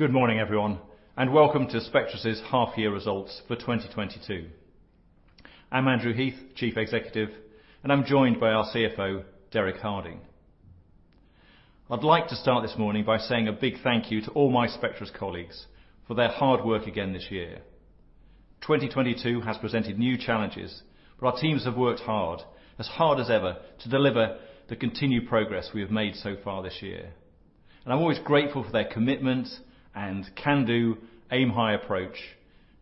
Good morning, everyone, and welcome to Spectris' half year results for 2022. I'm Andrew Heath, Chief Executive, and I'm joined by our CFO, Derek Harding. I'd like to start this morning by saying a big thank you to all my Spectris colleagues for their hard work again this year. 2022 has presented new challenges, but our teams have worked hard, as hard as ever, to deliver the continued progress we have made so far this year. I'm always grateful for their commitment and can-do, aim-high approach,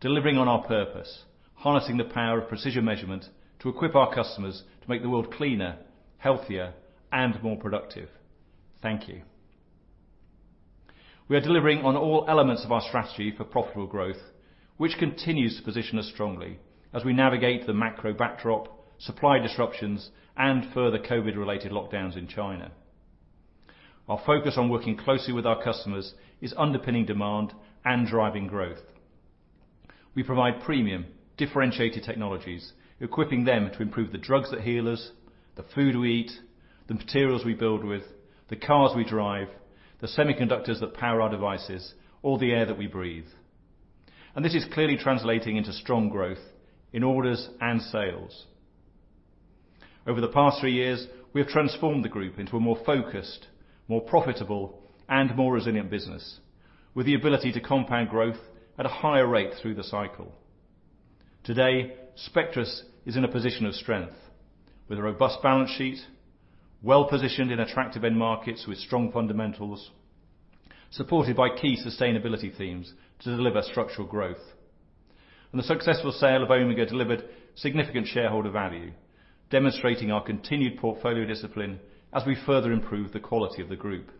delivering on our purpose, harnessing the power of precision measurement to equip our customers to make the world cleaner, healthier, and more productive. Thank you. We are delivering on all elements of our strategy for profitable growth, which continues to position us strongly as we navigate the macro backdrop, supply disruptions, and further COVID-related lockdowns in China. Our focus on working closely with our customers is underpinning demand and driving growth. We provide premium, differentiated technologies, equipping them to improve the drugs that heal us, the food we eat, the materials we build with, the cars we drive, the semiconductors that power our devices, or the air that we breathe. This is clearly translating into strong growth in orders and sales. Over the past three years, we have transformed the group into a more focused, more profitable, and more resilient business, with the ability to compound growth at a higher rate through the cycle. Today, Spectris is in a position of strength with a robust balance sheet, well-positioned in attractive end markets with strong fundamentals, supported by key sustainability themes to deliver structural growth. The successful sale of Omega delivered significant shareholder value, demonstrating our continued portfolio discipline as we further improve the quality of the group.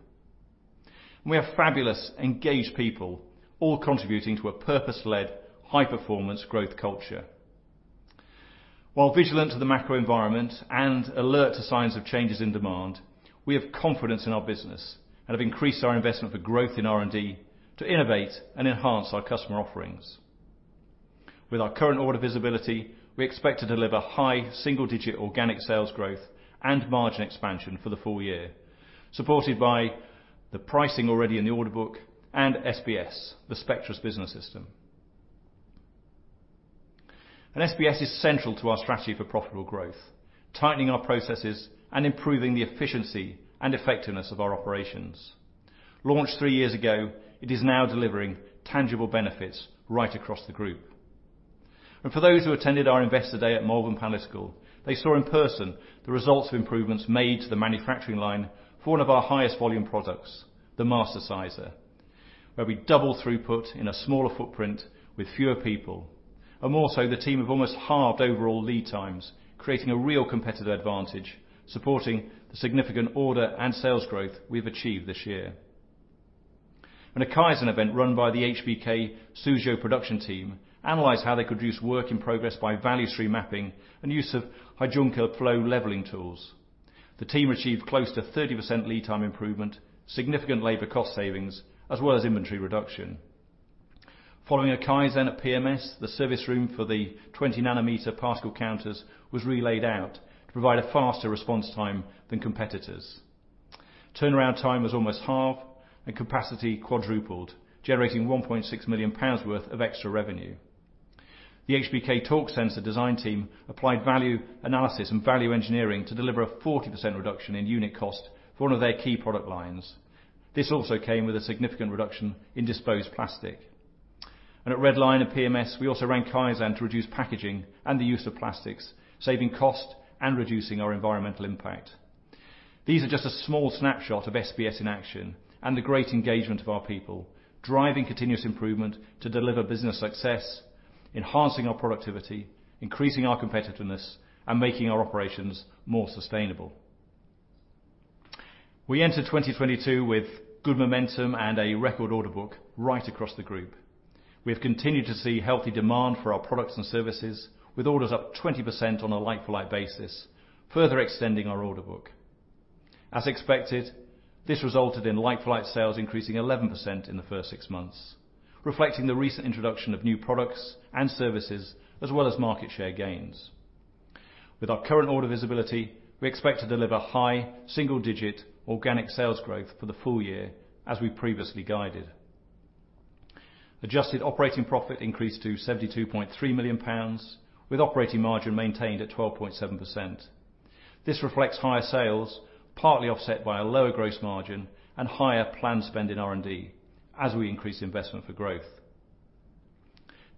We have fabulous, engaged people all contributing to a purpose-led, high-performance growth culture. While vigilant to the macro environment and alert to signs of changes in demand, we have confidence in our business and have increased our investment for growth in R&D to innovate and enhance our customer offerings. With our current order visibility, we expect to deliver high single-digit organic sales growth and margin expansion for the full year, supported by the pricing already in the order book and SBS, the Spectris Business System. SBS is central to our strategy for profitable growth, tightening our processes and improving the efficiency and effectiveness of our operations. Launched three years ago, it is now delivering tangible benefits right across the group. For those who attended our Investor Day at Malvern Panalytical site, they saw in person the results of improvements made to the manufacturing line for one of our highest volume products, the Mastersizer, where we double throughput in a smaller footprint with fewer people. More so, the team have almost halved overall lead times, creating a real competitive advantage, supporting the significant order and sales growth we've achieved this year. In a Kaizen event run by the HBK Suzhou production team, analyzed how they could reduce work in progress by value stream mapping and use of Heijunka flow leveling tools. The team achieved close to 30% lead time improvement, significant labor cost savings, as well as inventory reduction. Following a Kaizen at PMS, the service room for the 20 nm particle counters was re-laid out to provide a faster response time than competitors. Turnaround time was almost halved and capacity quadrupled, generating 1.6 million pounds worth of extra revenue. The HBK torque sensor design team applied Value Analysis and value engineering to deliver a 40% reduction in unit cost for one of their key product lines. This also came with a significant reduction in disposed plastic. At Red Lion and PMS, we also ran Kaizen to reduce packaging and the use of plastics, saving cost and reducing our environmental impact. These are just a small snapshot of SBS in action and the great engagement of our people, driving continuous improvement to deliver business success, enhancing our productivity, increasing our competitiveness, and making our operations more sustainable. We entered 2022 with good momentum and a record order book right across the group. We have continued to see healthy demand for our products and services, with orders up 20% on a like-for-like basis, further extending our order book. As expected, this resulted in like-for-like sales increasing 11% in the first six months, reflecting the recent introduction of new products and services as well as market share gains. With our current order visibility, we expect to deliver high single-digit organic sales growth for the full year as we previously guided. Adjusted operating profit increased to GBP 72.3 million, with operating margin maintained at 12.7%. This reflects higher sales, partly offset by a lower gross margin and higher planned spend in R&D as we increase investment for growth.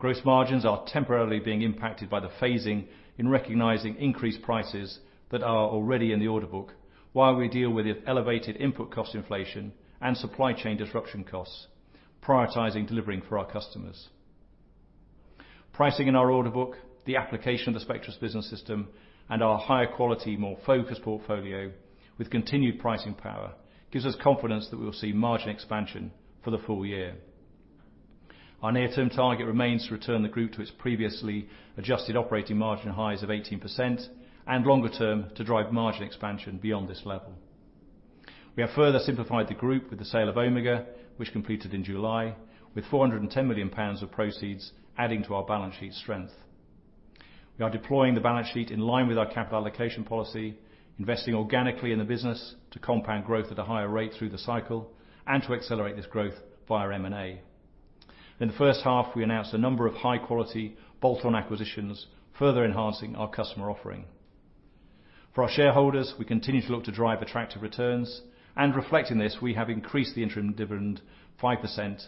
Gross margins are temporarily being impacted by the phasing in recognizing increased prices that are already in the order book while we deal with the elevated input cost inflation and supply chain disruption costs, prioritizing delivering for our customers. Pricing in our order book, the application of the Spectris Business System, and our higher quality, more focused portfolio with continued pricing power gives us confidence that we will see margin expansion for the full year. Our near-term target remains to return the group to its previously adjusted operating margin highs of 18% and longer term to drive margin expansion beyond this level. We have further simplified the group with the sale of Omega, which completed in July, with 410 million pounds of proceeds adding to our balance sheet strength. We are deploying the balance sheet in line with our capital allocation policy, investing organically in the business to compound growth at a higher rate through the cycle and to accelerate this growth via M&A. In the first half, we announced a number of high-quality bolt-on acquisitions, further enhancing our customer offering. For our shareholders, we continue to look to drive attractive returns, and reflecting this, we have increased the interim dividend 5%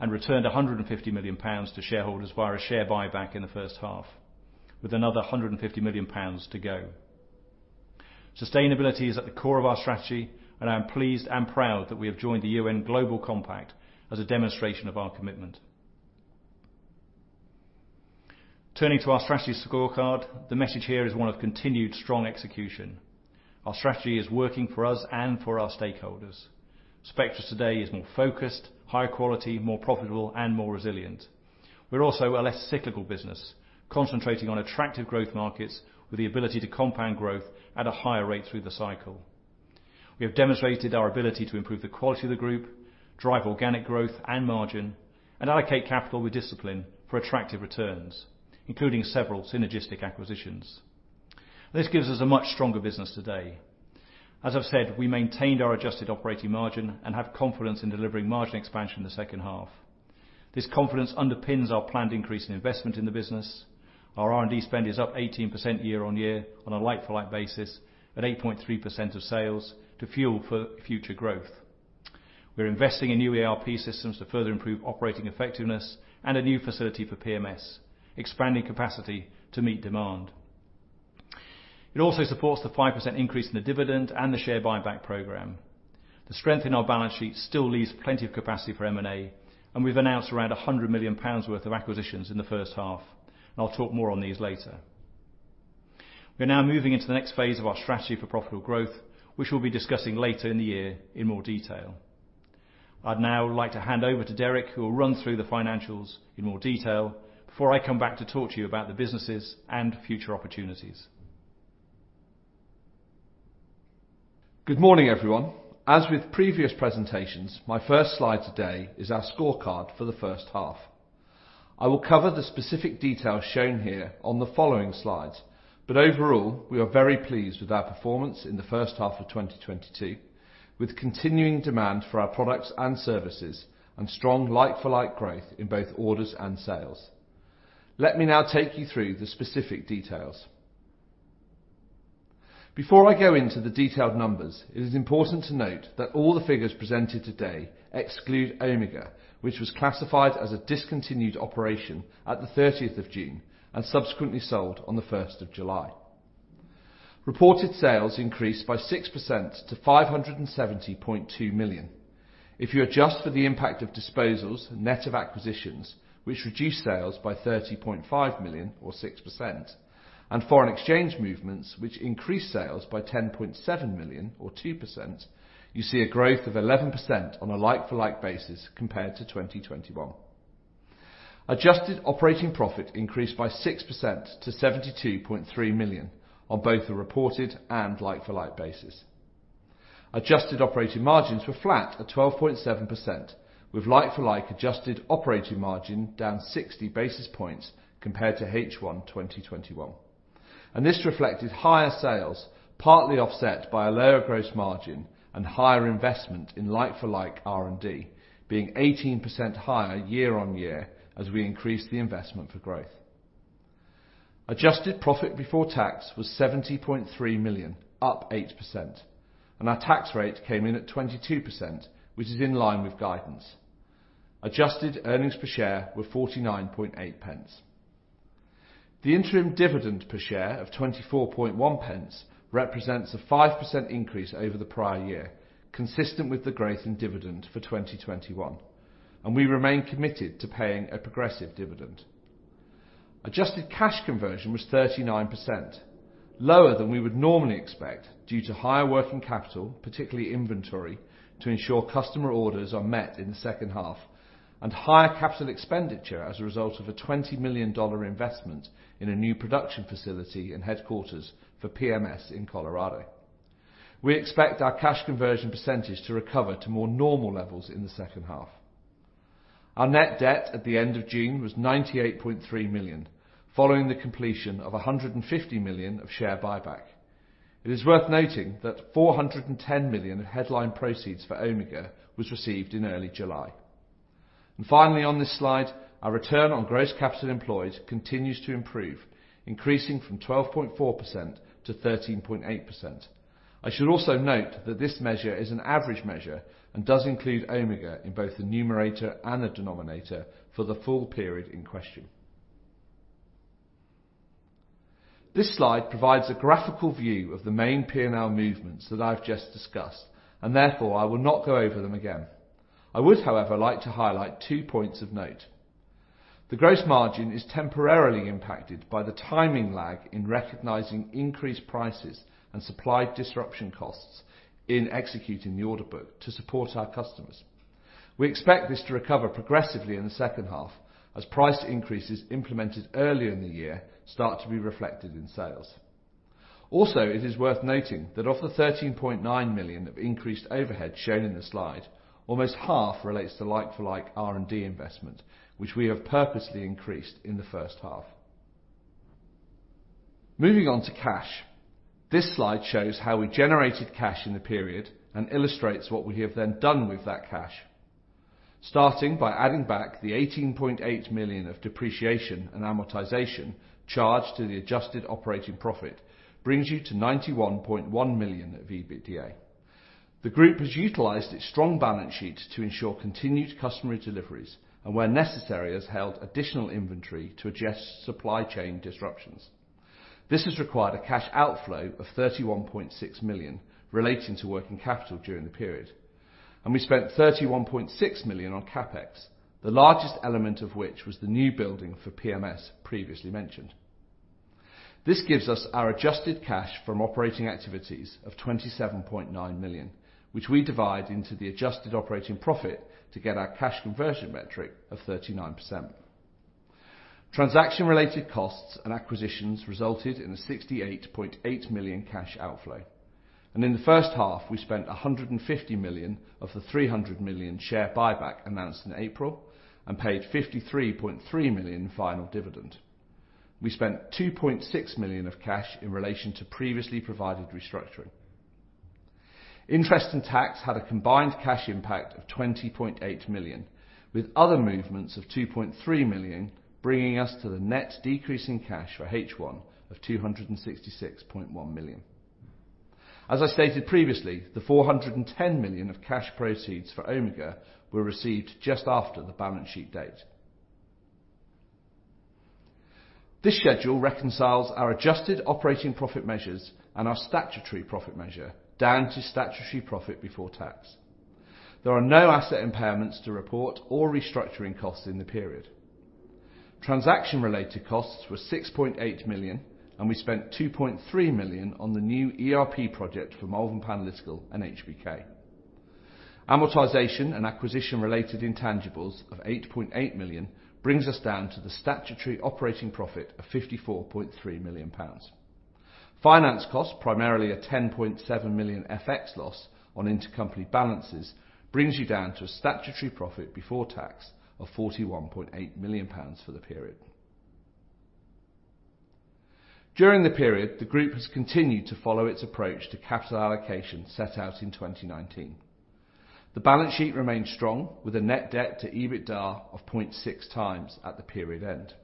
and returned 150 million pounds to shareholders via a share buyback in the first half, with another 150 million pounds to go. Sustainability is at the core of our strategy, and I am pleased and proud that we have joined the UN Global Compact as a demonstration of our commitment. Turning to our strategy scorecard, the message here is one of continued strong execution. Our strategy is working for us and for our stakeholders. Spectris today is more focused, higher quality, more profitable, and more resilient. We're also a less cyclical business, concentrating on attractive growth markets with the ability to compound growth at a higher rate through the cycle. We have demonstrated our ability to improve the quality of the group, drive organic growth and margin, and allocate capital with discipline for attractive returns, including several synergistic acquisitions. This gives us a much stronger business today. As I've said, we maintained our adjusted operating margin and have confidence in delivering margin expansion in the second half. This confidence underpins our planned increase in investment in the business. Our R&D spend is up 18% year-on-year on a like-for-like basis at 8.3% of sales to fuel for future growth. We're investing in new ERP systems to further improve operating effectiveness and a new facility for PMS, expanding capacity to meet demand. It also supports the 5% increase in the dividend and the share buyback program. The strength in our balance sheet still leaves plenty of capacity for M&A, and we've announced around 100 million pounds worth of acquisitions in the first half, and I'll talk more on these later. We're now moving into the next phase of our strategy for profitable growth, which we'll be discussing later in the year in more detail. I'd now like to hand over to Derek, who will run through the financials in more detail before I come back to talk to you about the businesses and future opportunities. Good morning, everyone. As with previous presentations, my first slide today is our scorecard for the first half. I will cover the specific details shown here on the following slides. Overall, we are very pleased with our performance in the first half of 2022, with continuing demand for our products and services and strong like-for-like growth in both orders and sales. Let me now take you through the specific details. Before I go into the detailed numbers, it is important to note that all the figures presented today exclude Omega, which was classified as a discontinued operation at the thirtieth of June and subsequently sold on the first of July. Reported sales increased by 6% to 570.2 million. If you adjust for the impact of disposals, net of acquisitions, which reduced sales by 30.5 million or 6%, and foreign exchange movements, which increased sales by 10.7 million or 2%, you see a growth of 11% on a like-for-like basis compared to 2021. Adjusted operating profit increased by 6% to 72.3 million on both the reported and like-for-like basis. Adjusted operating margins were flat at 12.7% with like-for-like adjusted operating margin down 60 basis points compared to H1 2021. This reflected higher sales, partly offset by a lower gross margin and higher investment in like-for-like R&D being 18% higher year on year as we increased the investment for growth. Adjusted profit before tax was 70.3 million, up 8%, and our tax rate came in at 22%, which is in line with guidance. Adjusted earnings per share were 0.498. The interim dividend per share of 0.241 represents a 5% increase over the prior year, consistent with the growth in dividend for 2021, and we remain committed to paying a progressive dividend. Adjusted cash conversion was 39%, lower than we would normally expect due to higher working capital, particularly inventory, to ensure customer orders are met in the second half and higher capital expenditure as a result of a $20 million investment in a new production facility and headquarters for PMS in Colorado. We expect our cash conversion percentage to recover to more normal levels in the second half. Our net debt at the end of June was 98.3 million, following the completion of 150 million of share buyback. It is worth noting that 410 million of headline proceeds for Omega was received in early July. Finally on this slide, our return on gross capital employed continues to improve, increasing from 12.4% to 13.8%. I should also note that this measure is an average measure and does include Omega in both the numerator and the denominator for the full period in question. This slide provides a graphical view of the main P&L movements that I've just discussed, and therefore I will not go over them again. I would, however, like to highlight two points of note. The gross margin is temporarily impacted by the timing lag in recognizing increased prices and supply disruption costs in executing the order book to support our customers. We expect this to recover progressively in the second half as price increases implemented earlier in the year start to be reflected in sales. Also, it is worth noting that of the 13.9 million of increased overhead shown in the slide, almost half relates to like-for-like R&D investment, which we have purposely increased in the first half. Moving on to cash. This slide shows how we generated cash in the period and illustrates what we have then done with that cash. Starting by adding back the 18.8 million of depreciation and amortization charged to the adjusted operating profit brings you to 91.1 million of EBITDA. The group has utilized its strong balance sheet to ensure continued customer deliveries, and where necessary, has held additional inventory to adjust supply chain disruptions. This has required a cash outflow of 31.6 million relating to working capital during the period, and we spent 31.6 million on CapEx, the largest element of which was the new building for PMS previously mentioned. This gives us our adjusted cash from operating activities of 27.9 million, which we divide into the adjusted operating profit to get our cash conversion metric of 39%. Transaction-related costs and acquisitions resulted in a 68.8 million cash outflow. In the first half, we spent 150 million of the 300 million share buyback announced in April and paid 53.3 million final dividend. We spent 2.6 million of cash in relation to previously provided restructuring. Interest and tax had a combined cash impact of 20.8 million, with other movements of 2.3 million bringing us to the net decrease in cash for H1 of 266.1 million. As I stated previously, the 410 million of cash proceeds for Omega were received just after the balance sheet date. This schedule reconciles our adjusted operating profit measures and our statutory profit measure down to statutory profit before tax. There are no asset impairments to report or restructuring costs in the period. Transaction-related costs were 6.8 million, and we spent 2.3 million on the new ERP project for Malvern Panalytical and HBK. Amortization and acquisition-related intangibles of 8.8 million brings us down to the statutory operating profit of 54.3 million pounds. Finance costs, primarily a 10.7 million FX loss on intercompany balances, brings you down to a statutory profit before tax of 41.8 million for the period. During the period, the group has continued to follow its approach to capital allocation set out in 2019. The balance sheet remains strong with a net debt to EBITDA of 0.6x at the period end.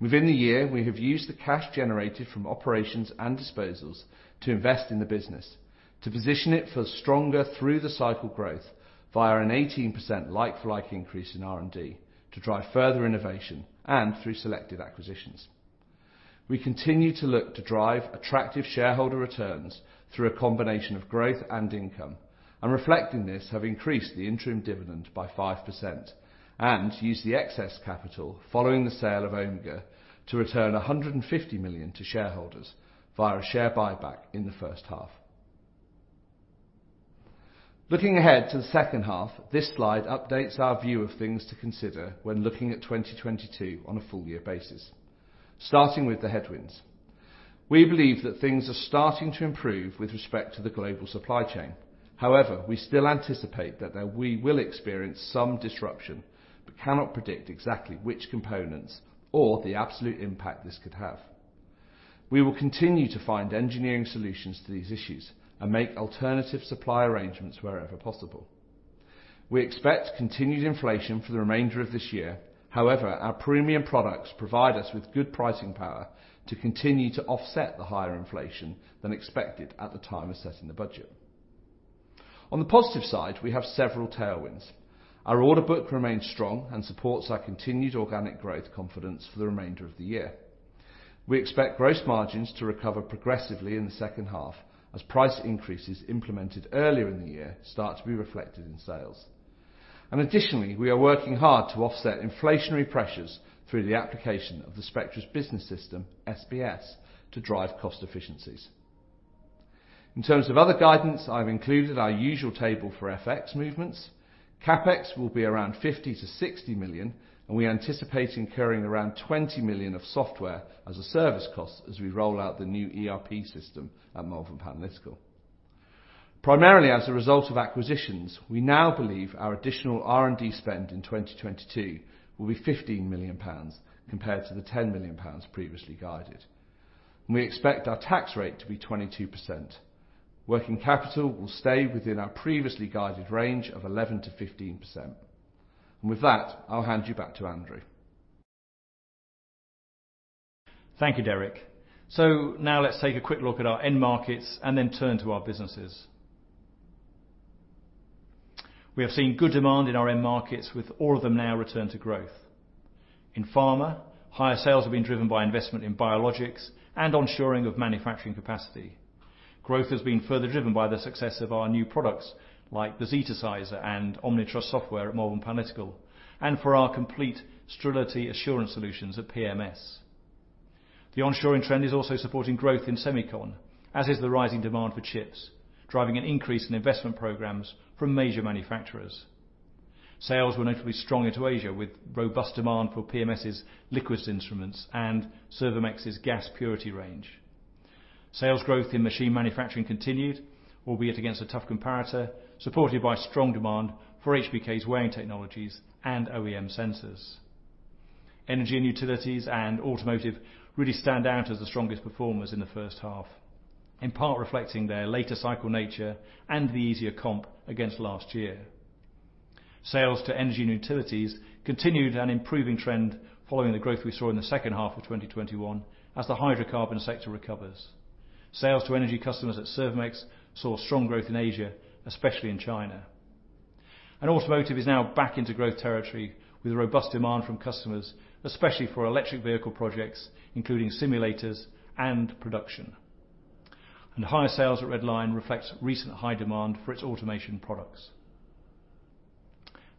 Within the year, we have used the cash generated from operations and disposals to invest in the business to position it for stronger through the cycle growth via an 18% like-for-like increase in R&D to drive further innovation and through selective acquisitions. We continue to look to drive attractive shareholder returns through a combination of growth and income, and reflecting this, have increased the interim dividend by 5% and used the excess capital following the sale of Omega to return 150 million to shareholders via a share buyback in the first half. Looking ahead to the second half, this slide updates our view of things to consider when looking at 2022 on a full year basis. Starting with the headwinds. We believe that things are starting to improve with respect to the global supply chain. However, we still anticipate that we will experience some disruption, but cannot predict exactly which components or the absolute impact this could have. We will continue to find engineering solutions to these issues and make alternative supply arrangements wherever possible. We expect continued inflation for the remainder of this year. However, our premium products provide us with good pricing power to continue to offset the higher inflation than expected at the time of setting the budget. On the positive side, we have several tailwinds. Our order book remains strong and supports our continued organic growth confidence for the remainder of the year. We expect gross margins to recover progressively in the second half as price increases implemented earlier in the year start to be reflected in sales. Additionally, we are working hard to offset inflationary pressures through the application of the Spectris Business System, SBS, to drive cost efficiencies. In terms of other guidance, I've included our usual table for FX movements. CapEx will be around 50 million-60 million, and we anticipate incurring around 20 million of software as a service cost as we roll out the new ERP system at Malvern Panalytical. Primarily as a result of acquisitions, we now believe our additional R&D spend in 2022 will be 15 million pounds compared to the 10 million pounds previously guided. We expect our tax rate to be 22%. Working capital will stay within our previously guided range of 11%-15%. With that, I'll hand you back to Andrew. Thank you, Derek. Now let's take a quick look at our end markets and then turn to our businesses. We have seen good demand in our end markets, with all of them now return to growth. In pharma, higher sales have been driven by investment in biologics and onshoring of manufacturing capacity. Growth has been further driven by the success of our new products like the Zetasizer and OmniTrust software at Malvern Panalytical, and for our complete sterility assurance solutions at PMS. The onshoring trend is also supporting growth in semicon, as is the rising demand for chips, driving an increase in investment programs from major manufacturers. Sales were notably stronger to Asia with robust demand for PMS's liquids instruments and Servomex's gas purity range. Sales growth in machine manufacturing continued, albeit against a tough comparator, supported by strong demand for HBK's weighing technologies and OEM sensors. Energy and utilities and automotive really stand out as the strongest performers in the first half, in part reflecting their later cycle nature and the easier comp against last year. Sales to energy and utilities continued an improving trend following the growth we saw in the second half of 2021 as the hydrocarbon sector recovers. Sales to energy customers at Servomex saw strong growth in Asia, especially in China. Automotive is now back into growth territory with robust demand from customers, especially for electric vehicle projects, including simulators and production. Higher sales at Red Lion reflects recent high demand for its automation products.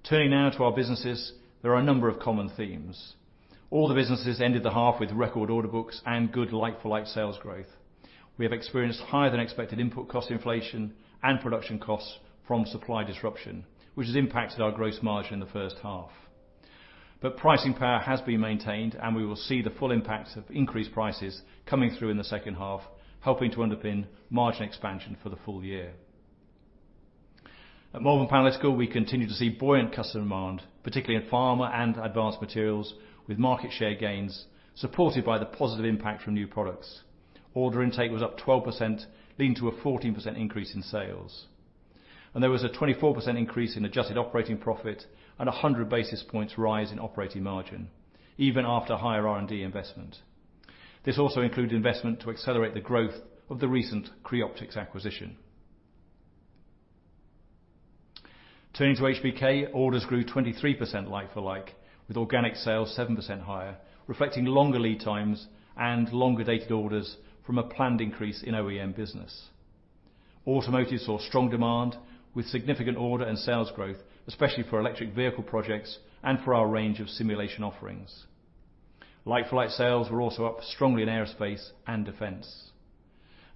Turning now to our businesses, there are a number of common themes. All the businesses ended the half with record order books and good like-for-like sales growth. We have experienced higher than expected input cost inflation and production costs from supply disruption, which has impacted our gross margin in the first half. Pricing power has been maintained, and we will see the full impact of increased prices coming through in the second half, helping to underpin margin expansion for the full year. At Malvern Panalytical, we continue to see buoyant customer demand, particularly in pharma and advanced materials, with market share gains supported by the positive impact from new products. Order intake was up 12% leading to a 14% increase in sales. There was a 24% increase in adjusted operating profit and a 100 basis points rise in operating margin, even after higher R&D investment. This also included investment to accelerate the growth of the recent Creoptix acquisition. Turning to HBK, orders grew 23% like-for-like, with organic sales 7% higher, reflecting longer lead times and longer dated orders from a planned increase in OEM business. Automotive saw strong demand with significant order and sales growth, especially for electric vehicle projects and for our range of simulation offerings. Like-for-like sales were also up strongly in aerospace and defense.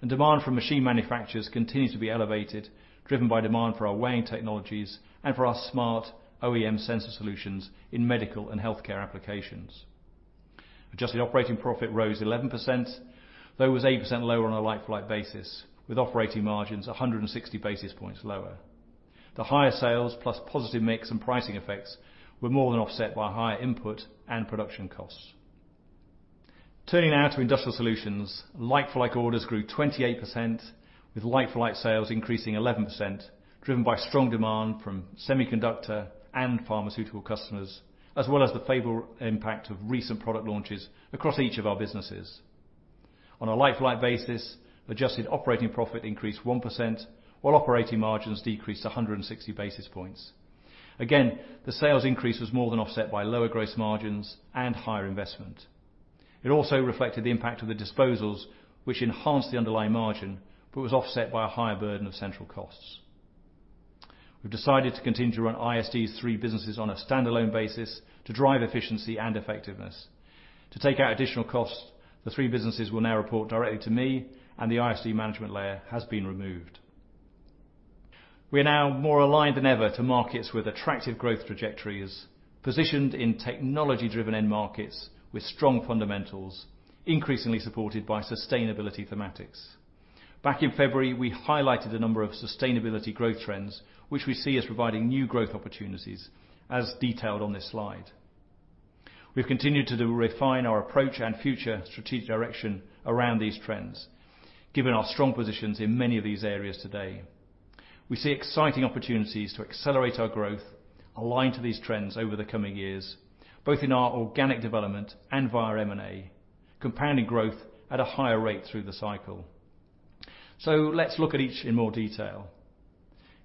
Demand from machine manufacturers continues to be elevated, driven by demand for our weighing technologies and for our smart OEM sensor solutions in medical and healthcare applications. Adjusted operating profit rose 11%, though it was 8% lower on a like-for-like basis, with operating margins 160 basis points lower. The higher sales plus positive mix and pricing effects were more than offset by higher input and production costs. Turning now to Industrial Solutions, like-for-like orders grew 28%, with like-for-like sales increasing 11%, driven by strong demand from semiconductor and pharmaceutical customers, as well as the favorable impact of recent product launches across each of our businesses. On a like-for-like basis, adjusted operating profit increased 1%, while operating margins decreased 160 basis points. Again, the sales increase was more than offset by lower gross margins and higher investment. It also reflected the impact of the disposals, which enhanced the underlying margin, but was offset by a higher burden of central costs. We've decided to continue to run ISD's three businesses on a standalone basis to drive efficiency and effectiveness. To take out additional costs, the three businesses will now report directly to me and the ISD management layer has been removed. We are now more aligned than ever to markets with attractive growth trajectories, positioned in technology-driven end markets with strong fundamentals, increasingly supported by sustainability thematics. Back in February, we highlighted a number of sustainability growth trends, which we see as providing new growth opportunities, as detailed on this slide. We've continued to refine our approach and future strategic direction around these trends, given our strong positions in many of these areas today. We see exciting opportunities to accelerate our growth, align to these trends over the coming years, both in our organic development and via M&A, compounding growth at a higher rate through the cycle. Let's look at each in more detail.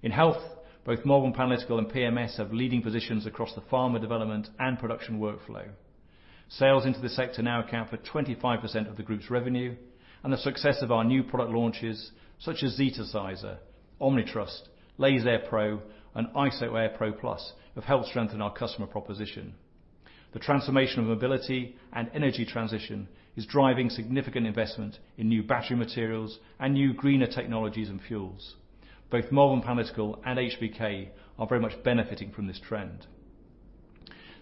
In health, both Malvern Panalytical and PMS have leading positions across the pharma development and production workflow. Sales into the sector now account for 25% of the group's revenue, and the success of our new product launches, such as Zetasizer, OmniTrust, Lasair Pro, and IsoAir Pro+, have helped strengthen our customer proposition. The transformation of mobility and energy transition is driving significant investment in new battery materials and new greener technologies and fuels. Both Malvern Panalytical and HBK are very much benefiting from this trend.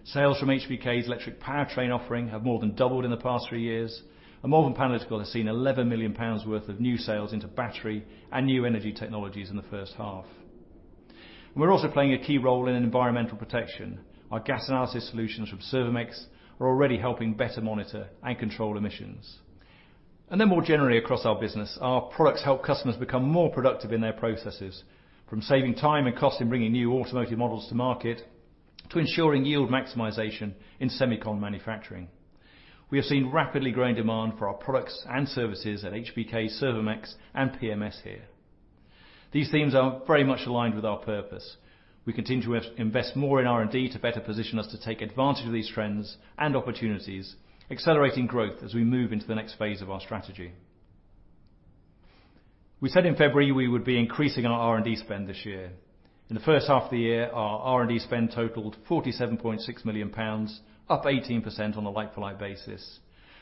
Sales from HBK's electric powertrain offering have more than doubled in the past three years, and Malvern Panalytical has seen 11 million pounds worth of new sales into battery and new energy technologies in the first half. We're also playing a key role in environmental protection. Our gas analysis solutions from Servomex are already helping better monitor and control emissions. More generally across our business, our products help customers become more productive in their processes, from saving time and cost in bringing new automotive models to market, to ensuring yield maximization in semicon manufacturing. We have seen rapidly growing demand for our products and services at HBK, Servomex, and PMS here. These themes are very much aligned with our purpose. We continue to invest more in R&D to better position us to take advantage of these trends and opportunities, accelerating growth as we move into the next phase of our strategy. We said in February we would be increasing our R&D spend this year. In the first half of the year, our R&D spend totaled 47.6 million pounds, up 18% on a like-for-like basis,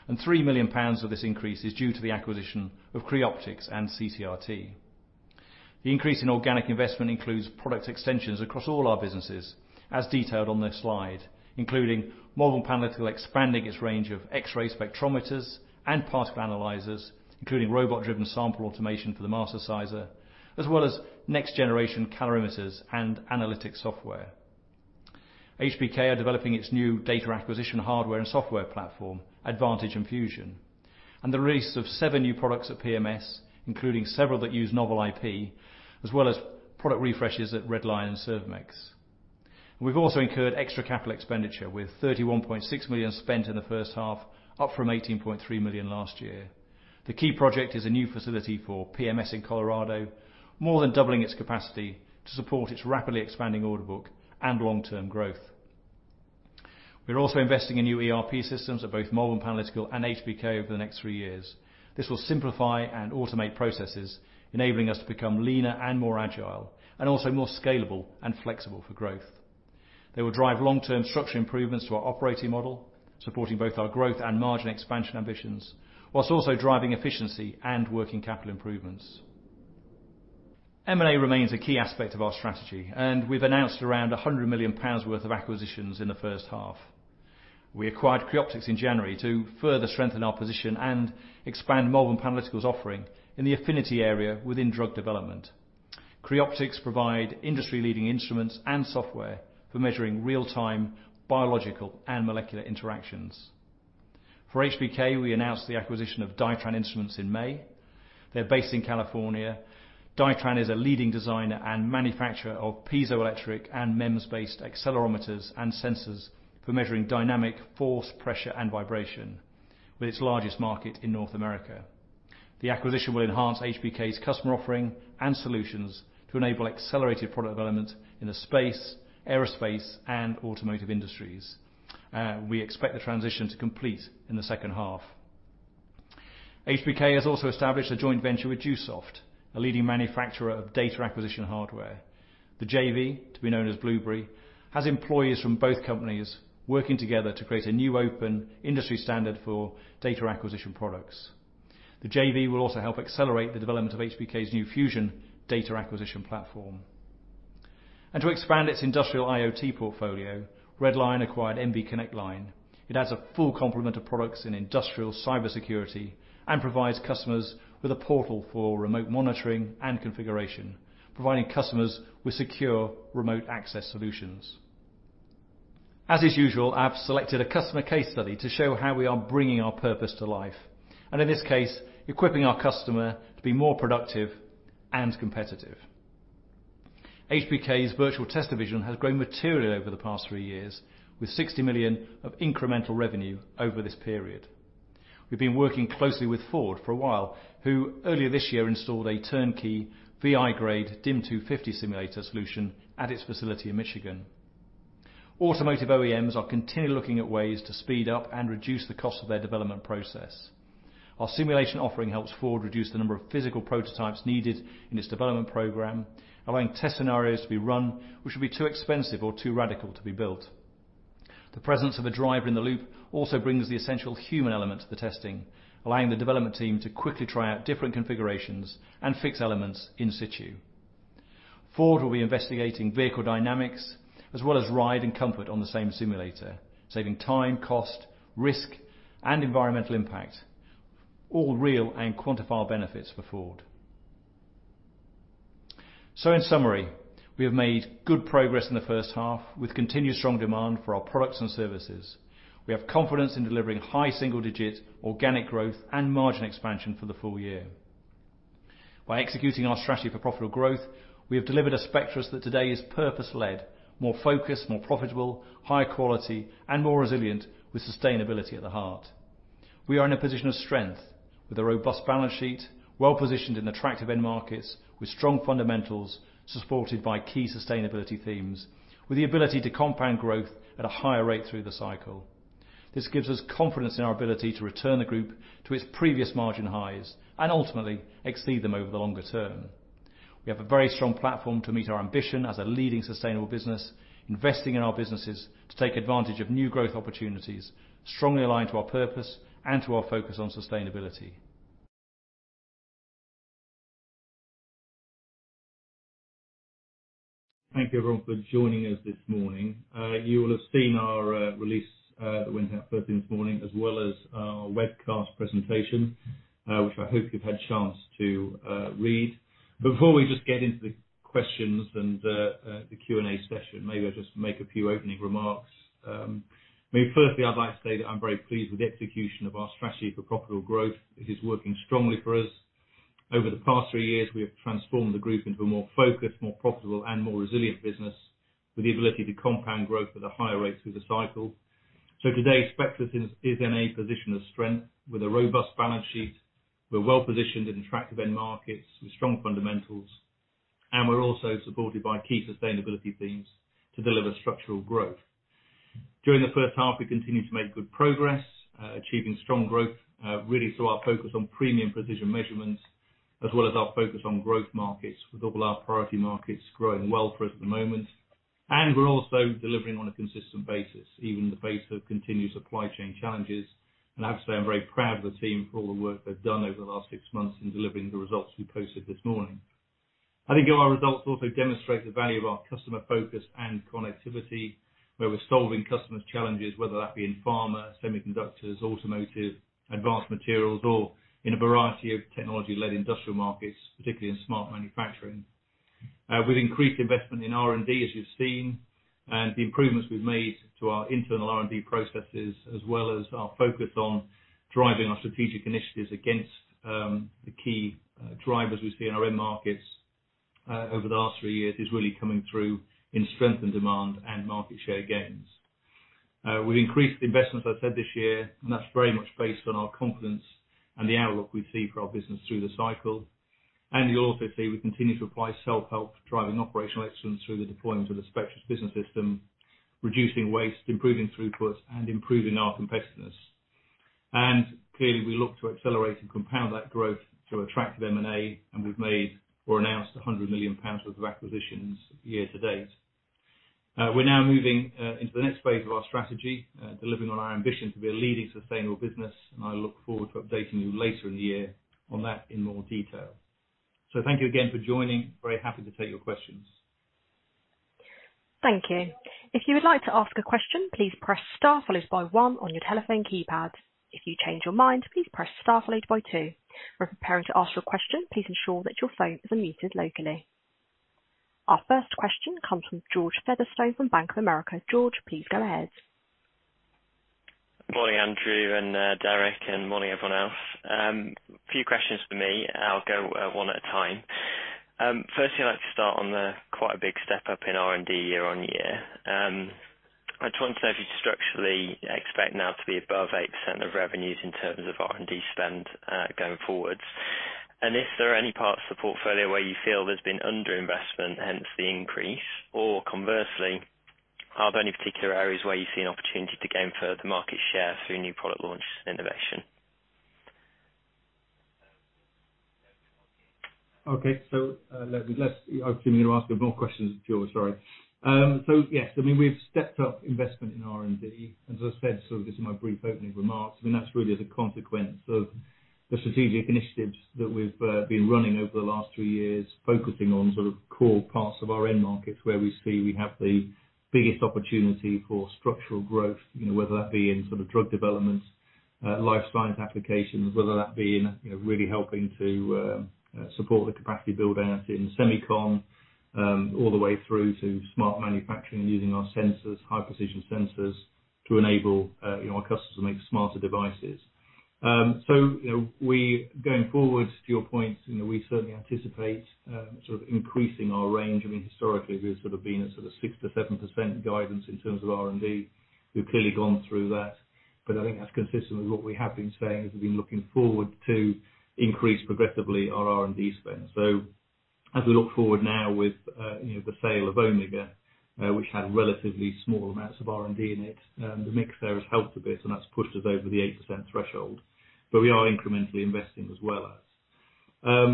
and 3 million pounds of this increase is due to the acquisition of Creoptix and CCRT. The increase in organic investment includes product extensions across all our businesses, as detailed on this slide, including Malvern Panalytical expanding its range of X-ray spectrometers and particle analyzers, including robot-driven sample automation for the Mastersizer, as well as next generation calorimeters and analytical software. HBK are developing its new data acquisition hardware and software platform, Advantage and Fusion, and the release of seven new products at PMS, including several that use novel IP, as well as product refreshes at Red Lion and Servomex. We've also incurred extra capital expenditure, with 31.6 million spent in the first half, up from 18.3 million last year. The key project is a new facility for PMS in Colorado, more than doubling its capacity to support its rapidly expanding order book and long-term growth. We're also investing in new ERP systems at both Malvern Panalytical and HBK over the next three years. This will simplify and automate processes, enabling us to become leaner and more agile, and also more scalable and flexible for growth. They will drive long-term structural improvements to our operating model, supporting both our growth and margin expansion ambitions, while also driving efficiency and working capital improvements. M&A remains a key aspect of our strategy, and we've announced around 100 million pounds worth of acquisitions in the first half. We acquired Creoptix in January to further strengthen our position and expand Malvern Panalytical's offering in the affinity area within drug development. Creoptix provide industry-leading instruments and software for measuring real-time, biological and molecular interactions. For HBK, we announced the acquisition of Dytran Instruments in May. They're based in California. Dytran is a leading designer and manufacturer of piezoelectric and MEMS-based accelerometers and sensors for measuring dynamic force, pressure, and vibration, with its largest market in North America. The acquisition will enhance HBK's customer offering and solutions to enable accelerated product development in the space, aerospace, and automotive industries. We expect the transition to complete in the second half. HBK has also established a joint venture with Dewesoft, a leading manufacturer of data acquisition hardware. The JV, to be known as Bluebury, has employees from both companies working together to create a new open industry standard for data acquisition products. The JV will also help accelerate the development of HBK's new Fusion data acquisition platform. To expand its industrial IoT portfolio, Red Lion acquired MB connect line. It adds a full complement of products in industrial cybersecurity and provides customers with a portal for remote monitoring and configuration, providing customers with secure remote access solutions. As is usual, I've selected a customer case study to show how we are bringing our purpose to life, and in this case, equipping our customer to be more productive and competitive. HBK's virtual test division has grown materially over the past three years, with 60 million of incremental revenue over this period. We've been working closely with Ford for a while, who earlier this year installed a turnkey VI-grade Dim250 simulator solution at its facility in Michigan. Automotive OEMs are continually looking at ways to speed up and reduce the cost of their development process. Our simulation offering helps Ford reduce the number of physical prototypes needed in its development program, allowing test scenarios to be run, which would be too expensive or too radical to be built. The presence of a driver in the loop also brings the essential human element to the testing, allowing the development team to quickly try out different configurations and fix elements in situ. Ford will be investigating vehicle dynamics as well as ride and comfort on the same simulator, saving time, cost, risk, and environmental impact, all real and quantifiable benefits for Ford. In summary, we have made good progress in the first half with continued strong demand for our products and services. We have confidence in delivering high single-digit organic growth and margin expansion for the full year. By executing our strategy for profitable growth, we have delivered a Spectris that today is purpose-led, more focused, more profitable, higher quality, and more resilient with sustainability at the heart. We are in a position of strength with a robust balance sheet, well-positioned in attractive end markets with strong fundamentals, supported by key sustainability themes, with the ability to compound growth at a higher rate through the cycle. This gives us confidence in our ability to return the group to its previous margin highs and ultimately exceed them over the longer term. We have a very strong platform to meet our ambition as a leading sustainable business, investing in our businesses to take advantage of new growth opportunities, strongly aligned to our purpose and to our focus on sustainability. Thank you everyone for joining us this morning. You will have seen our release that went out first thing this morning, as well as our webcast presentation, which I hope you've had a chance to read. Before we just get into the questions and the Q&A session, maybe I'll just make a few opening remarks. I mean, firstly, I'd like to say that I'm very pleased with the execution of our strategy for profitable growth. It is working strongly for us. Over the past three years, we have transformed the group into a more focused, more profitable, and more resilient business with the ability to compound growth at a higher rate through the cycle. Today, Spectris is in a position of strength with a robust balance sheet. We're well-positioned in attractive end markets with strong fundamentals, and we're also supported by key sustainability themes to deliver structural growth. During the first half, we continued to make good progress, achieving strong growth, really through our focus on premium precision measurements as well as our focus on growth markets, with all our priority markets growing well for us at the moment. We're also delivering on a consistent basis, even in the face of continued supply chain challenges. I have to say, I'm very proud of the team for all the work they've done over the last six months in delivering the results we posted this morning. I think our results also demonstrate the value of our customer focus and connectivity, where we're solving customers' challenges, whether that be in pharma, semiconductors, automotive, advanced materials, or in a variety of technology-led industrial markets, particularly in smart manufacturing. With increased investment in R&D, as you've seen, and the improvements we've made to our internal R&D processes, as well as our focus on driving our strategic initiatives against the key drivers we see in our end markets, over the last three years is really coming through in strength and demand and market share gains. We've increased investment, as I said this year, and that's very much based on our confidence and the outlook we see for our business through the cycle. You'll also see we continue to apply self-help driving operational excellence through the deployment of the Spectris Business System, reducing waste, improving throughput, and improving our competitiveness. Clearly, we look to accelerate and compound that growth to attractive M&A, and we've made or announced 100 million pounds worth of acquisitions year-to-date. We're now moving into the next phase of our strategy, delivering on our ambition to be a leading sustainable business, and I look forward to updating you later in the year on that in more detail. Thank you again for joining. Very happy to take your questions. Thank you. If you would like to ask a question, please press star followed by one on your telephone keypad. If you change your mind, please press star followed by two. When preparing to ask your question, please ensure that your phone is unmuted locally. Our first question comes from George Featherstone from Bank of America. George, please go ahead. Morning, Andrew and, Derek, and morning everyone else. A few questions for me. I'll go one at a time. Firstly I'd like to start on the quite a big step-up in R&D year-over-year. I just wanted to know if you structurally expect now to be above 8% of revenues in terms of R&D spend, going forward. If there are any parts of the portfolio where you feel there's been underinvestment, hence the increase, or conversely, are there any particular areas where you see an opportunity to gain further market share through new product launch innovation? Okay. I assume you'll ask a couple more questions, George. Sorry. Yes, I mean, we've stepped up investment in R&D, as I said, sort of in my brief opening remarks. I mean, that's really as a consequence of the strategic initiatives that we've been running over the last three years, focusing on sort of core parts of our end markets where we see we have the biggest opportunity for structural growth, you know, whether that be in sort of drug development, life science applications, whether that be in, you know, really helping to support the capacity build out in semicon, all the way through to smart manufacturing using our sensors, high precision sensors, to enable, you know, our customers to make smarter devices. Going forward, to your point, you know, we certainly anticipate sort of increasing our range. I mean, historically, we've sort of been a sort of 6%-7% guidance in terms of R&D. We've clearly gone through that, but I think that's consistent with what we have been saying, is we've been looking forward to increase progressively our R&D spend. As we look forward now with, you know, the sale of Omega, which had relatively small amounts of R&D in it, the mix there has helped a bit, and that's pushed us over the 8% threshold. But we are incrementally investing as well as.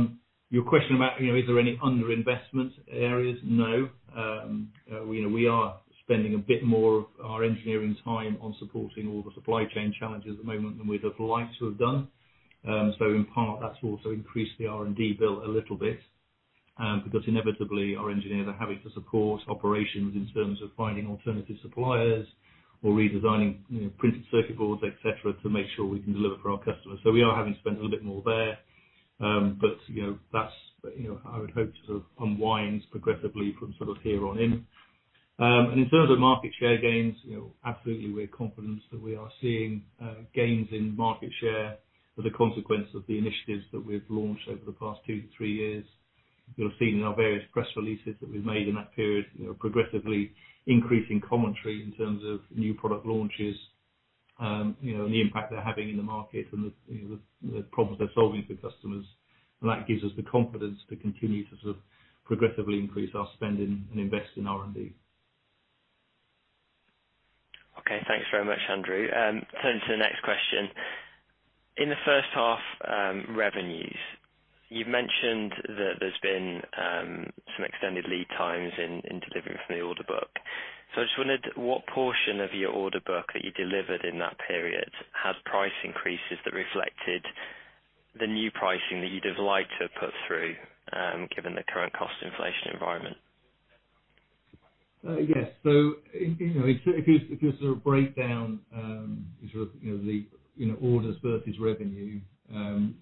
Your question about, you know, is there any underinvestment areas? No. You know, we are spending a bit more of our engineering time on supporting all the supply chain challenges at the moment than we'd have liked to have done. In part, that's also increased the R&D bill a little bit, because inevitably our engineers are having to support operations in terms of finding alternative suppliers or redesigning, you know, printed circuit boards, et cetera, to make sure we can deliver for our customers. We are having to spend a little bit more there. You know, that's, you know, how I would hope to unwind progressively from sort of here on in. In terms of market share gains, you know, absolutely we're confident that we are seeing gains in market share as consequence of the initiatives that we've launched over the past two to three years. You'll have seen in our various press releases that we've made in that period, you know, progressively increasing commentary in terms of new product launches, you know, and the impact they're having in the market and, you know, the problems they're solving for customers. That gives us the confidence to continue to sort of progressively increase our spending and invest in R&D. Okay. Thanks very much, Andrew. Turning to the next question. In the first half, revenues, you've mentioned that there's been some extended lead times in delivering from the order book. I just wondered what portion of your order book that you delivered in that period had price increases that reflected the new pricing that you'd have liked to have put through, given the current cost inflation environment? Yes, you know, if you sort of break down sort of you know the orders versus revenue,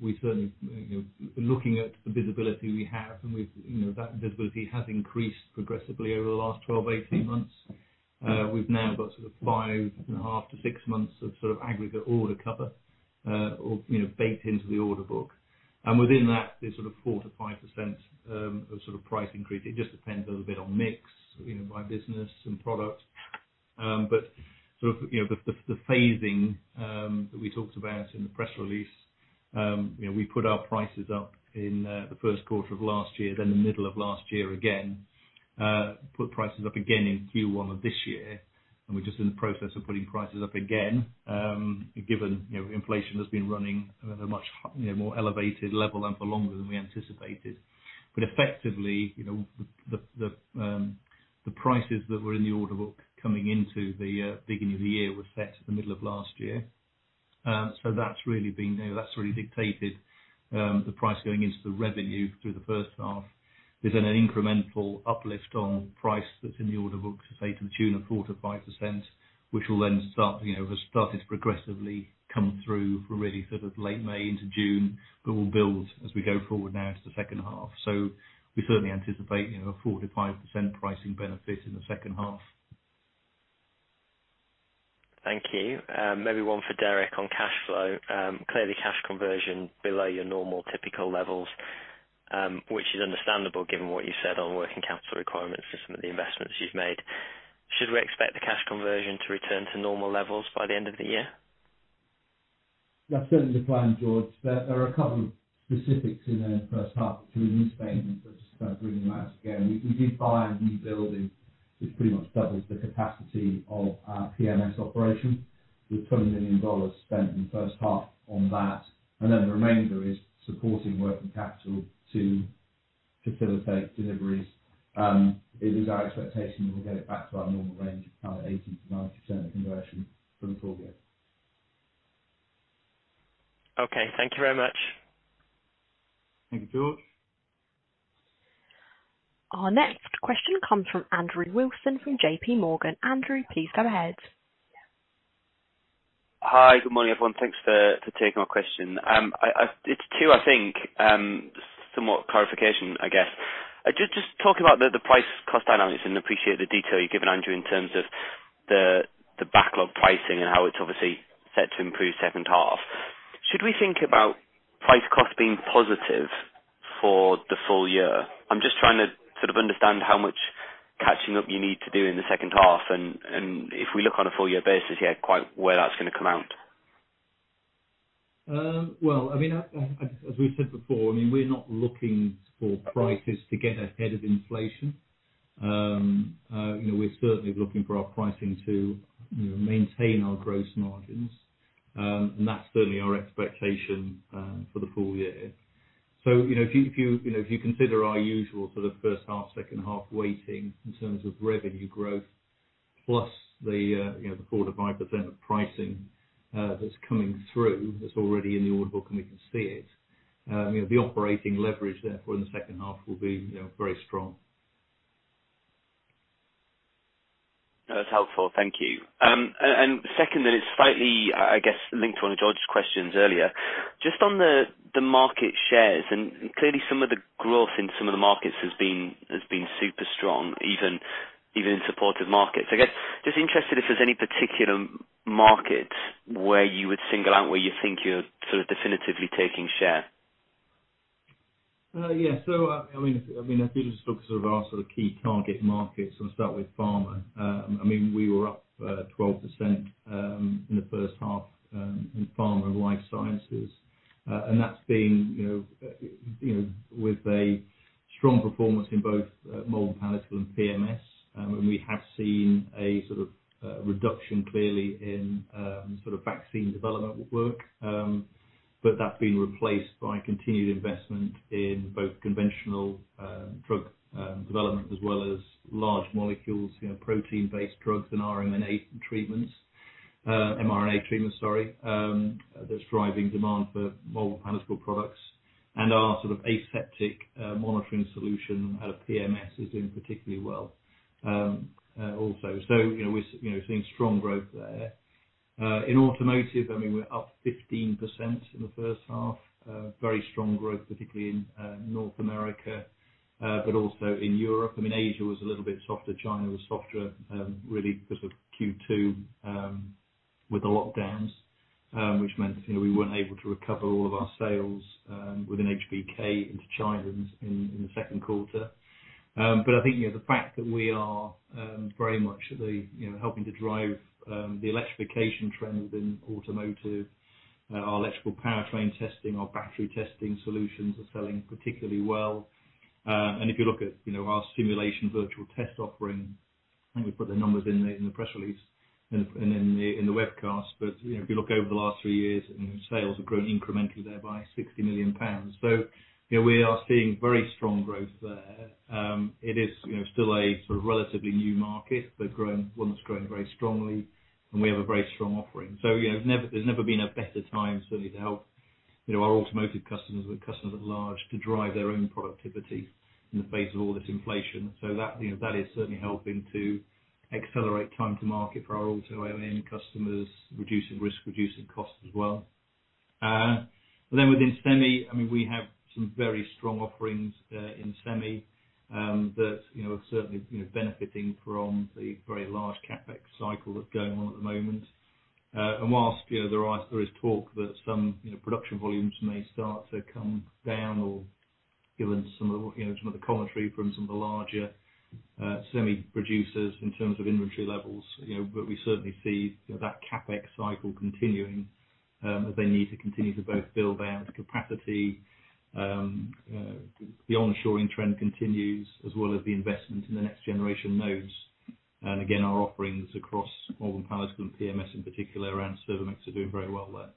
we certainly you know looking at the visibility we have and we've you know that visibility has increased progressively over the last 12-18 months. We've now got sort of five and half to six months of sort of aggregate order cover or you know baked into the order book. Within that, there's sort of 4%-5% of sort of price increase. It just depends a little bit on mix you know by business and product. The phasing that we talked about in the press release, you know, we put our prices up in the first quarter of last year, then the middle of last year again, put prices up again in Q1 of this year. We're just in the process of putting prices up again, given, you know, inflation has been running at a much more elevated level and for longer than we anticipated. Effectively, you know, the prices that were in the order book coming into the beginning of the year were set at the middle of last year. That's really been, you know, that's really dictated the price going into the revenue through the first half. There's been an incremental uplift on price that's in the order books to say to the tune of 4%-5%, which will then start, you know, has started to progressively come through from really sort of late May into June, but will build as we go forward now into the second half. We certainly anticipate, you know, a 4%-5% pricing benefit in the second half. Thank you. Maybe one for Derek on cash flow. Clearly cash conversion below your normal typical levels, which is understandable given what you said on working capital requirements for some of the investments you've made. Should we expect the cash conversion to return to normal levels by the end of the year? That's certainly the plan, George. There are a couple of specifics in the first half, which were in the statement, but just kind of bringing them out again. We did buy a new building, which pretty much doubled the capacity of our PMS operation, with $20 million spent in the first half on that. The remainder is supporting working capital to facilitate deliveries. It is our expectation that we'll get it back to our normal range of kind of 80%-90% conversion for the full year. Okay. Thank you very much. Thank you, George. Our next question comes from Andrew Wilson from J.P. Morgan. Andrew, please go ahead. Hi. Good morning, everyone. Thanks for taking my question. It's two, I think, somewhat clarification, I guess. Just talking about the price cost dynamics, and appreciate the detail you've given, Andrew, in terms of the backlog pricing and how it's obviously set to improve second half. Should we think about price cost being positive for the full year? I'm just trying to sort of understand how much catching up you need to do in the second half, and if we look on a full year basis, yeah, quite where that's gonna come out. Well, I mean, as we said before, I mean, we're not looking for prices to get ahead of inflation. You know, we're certainly looking for our pricing to, you know, maintain our gross margins. And that's certainly our expectation for the full year. You know, if you consider our usual sort of first half, second half weighting in terms of revenue growth, plus the 4%-5% of pricing that's coming through, that's already in the order book and we can see it, you know, the operating leverage therefore in the second half will be, you know, very strong. That's helpful. Thank you. Second, it's slightly, I guess, linked to one of George's questions earlier. Just on the market shares, and clearly some of the growth in some of the markets has been super strong, even in supportive markets. I guess, just interested if there's any particular market where you would single out where you think you're sort of definitively taking share. I mean, if you just look at our key target markets, I'll start with pharma. I mean, we were up 12% in the first half in pharma and life sciences. That's been, you know, with a strong performance in both Malvern Panalytical and PMS. We have seen a sort of reduction clearly in sort of vaccine development work. That's been replaced by continued investment in both conventional drug development as well as large molecules, you know, protein-based drugs and RNA treatments, mRNA treatments, sorry, that's driving demand for Malvern Panalytical products. Our sort of aseptic monitoring solution out of PMS is doing particularly well, also. You know, we're you know seeing strong growth there. In automotive, I mean, we're up 15% in the first half, very strong growth, particularly in North America, but also in Europe. I mean, Asia was a little bit softer. China was softer, really because of Q2, with the lockdowns, which meant, you know, we weren't able to recover all of our sales, within HBK into China in the second quarter. But I think, you know, the fact that we are very much at the you know helping to drive the electrification trends in automotive, our electrical powertrain testing, our battery testing solutions are selling particularly well. If you look at, you know, our simulation virtual test offering, I think we put the numbers in the press release and in the webcast, but, you know, if you look over the last three years, sales have grown incrementally there by 60 million pounds. You know, we are seeing very strong growth there. It is, you know, still a sort of relatively new market, but growing, one that's growing very strongly, and we have a very strong offering. You know, there's never been a better time certainly to help, you know, our automotive customers with customers at large to drive their own productivity in the face of all this inflation. That, you know, that is certainly helping to accelerate time to market for our auto OEM customers, reducing risk, reducing costs as well. Within semi, I mean, we have some very strong offerings in semi that you know are certainly you know benefiting from the very large CapEx cycle that's going on at the moment. While you know there is talk that some you know production volumes may start to come down or given some of you know some of the commentary from some of the larger semi producers in terms of inventory levels you know but we certainly see you know that CapEx cycle continuing. As they need to continue to both build out capacity the onshoring trend continues as well as the investment in the next generation nodes. Again our offerings across Malvern Panalytical and PMS in particular around Servomex are doing very well there.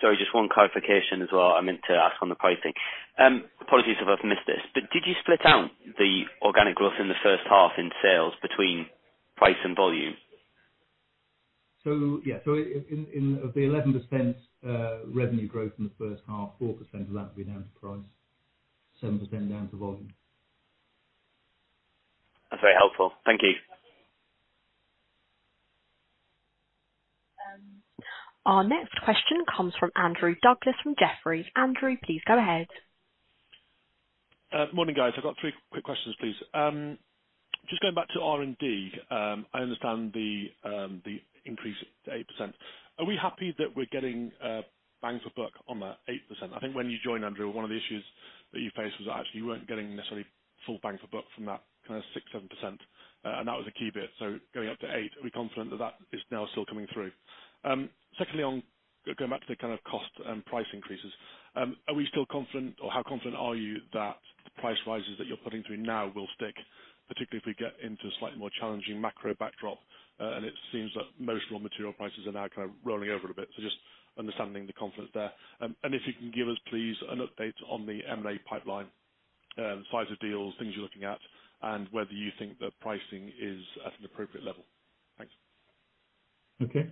Sorry, just one clarification as well, I meant to ask on the pricing. Apologies if I've missed this. Did you split out the organic growth in the first half in sales between price and volume? Of the 11% revenue growth in the first half, 4% of that had been due to price, 7% due to volume. That's very helpful. Thank you. Our next question comes from Andrew Douglas from Jefferies. Andrew, please go ahead. Morning, guys. I've got three quick questions, please. Just going back to R&D. I understand the increase to 8%. Are we happy that we're getting bang for buck on that 8%? I think when you joined, Andrew, one of the issues that you faced was that actually you weren't getting necessarily full bang for buck from that kinda 6%-7%. That was a key bit. Going up to eight, are we confident that that is now still coming through? Secondly, on going back to the kind of cost and price increases, are we still confident or how confident are you that the price rises that you're putting through now will stick, particularly if we get into a slightly more challenging macro backdrop? It seems that most raw material prices are now kinda rolling over a bit. Just understanding the confidence there. If you can give us, please, an update on the M&A pipeline, size of deals, things you're looking at, and whether you think that pricing is at an appropriate level? Thanks. Okay.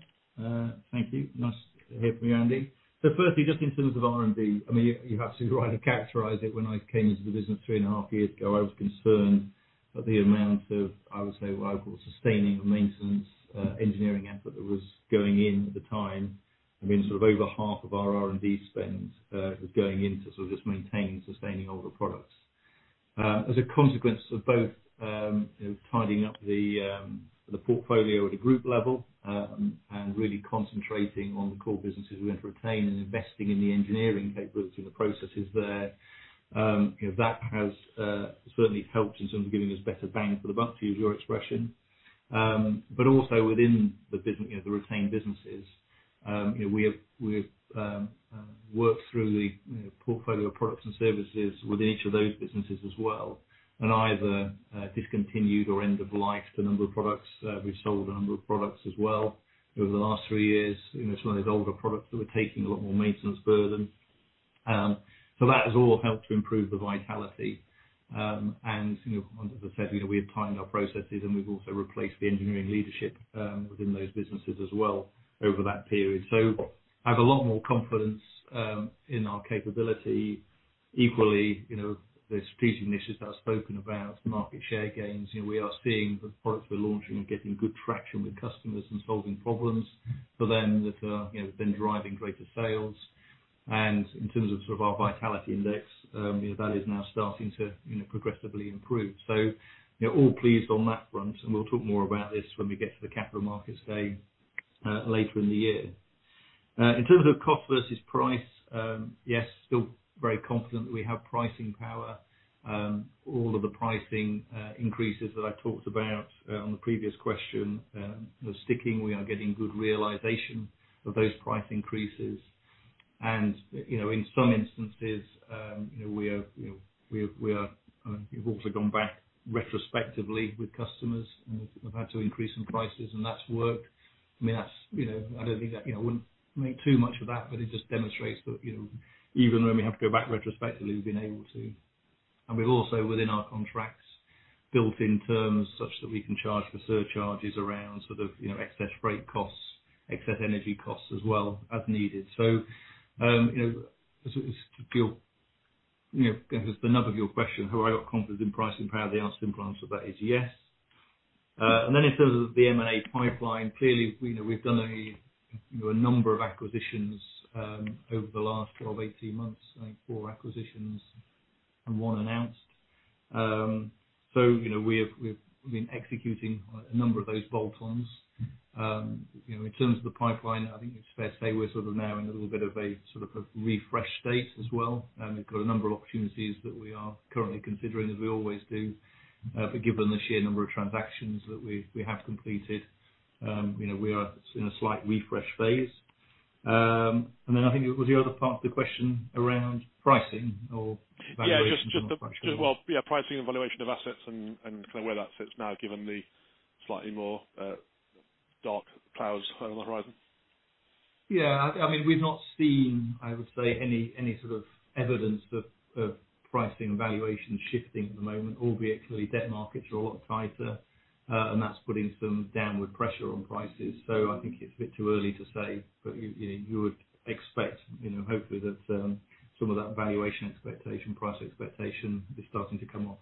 Thank you. Nice to hear from you, Andy. Firstly, just in terms of R&D, I mean, you have to try to characterize it. When I came into the business three and a half years ago, I was concerned at the amount of, I would say, local sustaining maintenance engineering effort that was going in at the time. I mean, sort of over half of our R&D spend was going in to sort of just maintain and sustaining older products. As a consequence of both tidying up the portfolio at a group level and really concentrating on the core businesses we want to retain and investing in the engineering capabilities and the processes there, you know, that has certainly helped in terms of giving us better bang for the buck, to use your expression. Within the retained businesses, you know, we have worked through the portfolio of products and services within each of those businesses as well, and either discontinued or end of life, a number of products. We've sold a number of products as well over the last three years. You know, some of these older products that were taking a lot more maintenance burden. That has all helped to improve the vitality. You know, as I said, you know, we have tightened our processes and we've also replaced the engineering leadership within those businesses as well over that period. I have a lot more confidence in our capability. Equally, you know, the strategic initiatives I've spoken about, market share gains, you know, we are seeing the products we're launching are getting good traction with customers and solving problems for them that, you know, have been driving greater sales. In terms of sort of our vitality index, you know, that is now starting to, you know, progressively improve. You know, all pleased on that front, and we'll talk more about this when we get to the capital markets day, later in the year. In terms of cost versus price, yes, still very confident that we have pricing power. All of the pricing increases that I talked about on the previous question are sticking. We are getting good realization of those price increases. You know, in some instances, we have also gone back retrospectively with customers and have had to increase some prices, and that's worked. I mean, that's, you know, I don't think that, you know, I wouldn't make too much of that, but it just demonstrates that, you know, even when we have to go back retrospectively, we've been able to. We've also, within our contracts, built in terms such that we can charge for surcharges around sort of, you know, excess freight costs, excess energy costs as well as needed. You know, to be sure, you know, get to the nub of your question. Have I got confidence in pricing power? The answer, the simple answer to that is yes. In terms of the M&A pipeline, clearly, you know, we've done a number of acquisitions over the last 12, 18 months. I think four acquisitions and one announced. You know, we've been executing a number of those bolt-ons. You know, in terms of the pipeline, I think it's fair to say we're now in a little bit of a refresh state as well, and we've got a number of opportunities that we are currently considering, as we always do. Given the sheer number of transactions that we have completed, you know, we are in a slight refresh phase. I think it was the other part of the question around pricing or valuation as well. Well, yeah, pricing and valuation of assets and kinda where that sits now, given the slightly more dark clouds on the horizon. Yeah. I mean, we've not seen, I would say, any sort of evidence of pricing and valuation shifting at the moment, albeit clearly debt markets are a lot tighter, and that's putting some downward pressure on prices. I think it's a bit too early to say, but you know, you would expect, you know, hopefully that some of that valuation expectation, price expectation is starting to come off.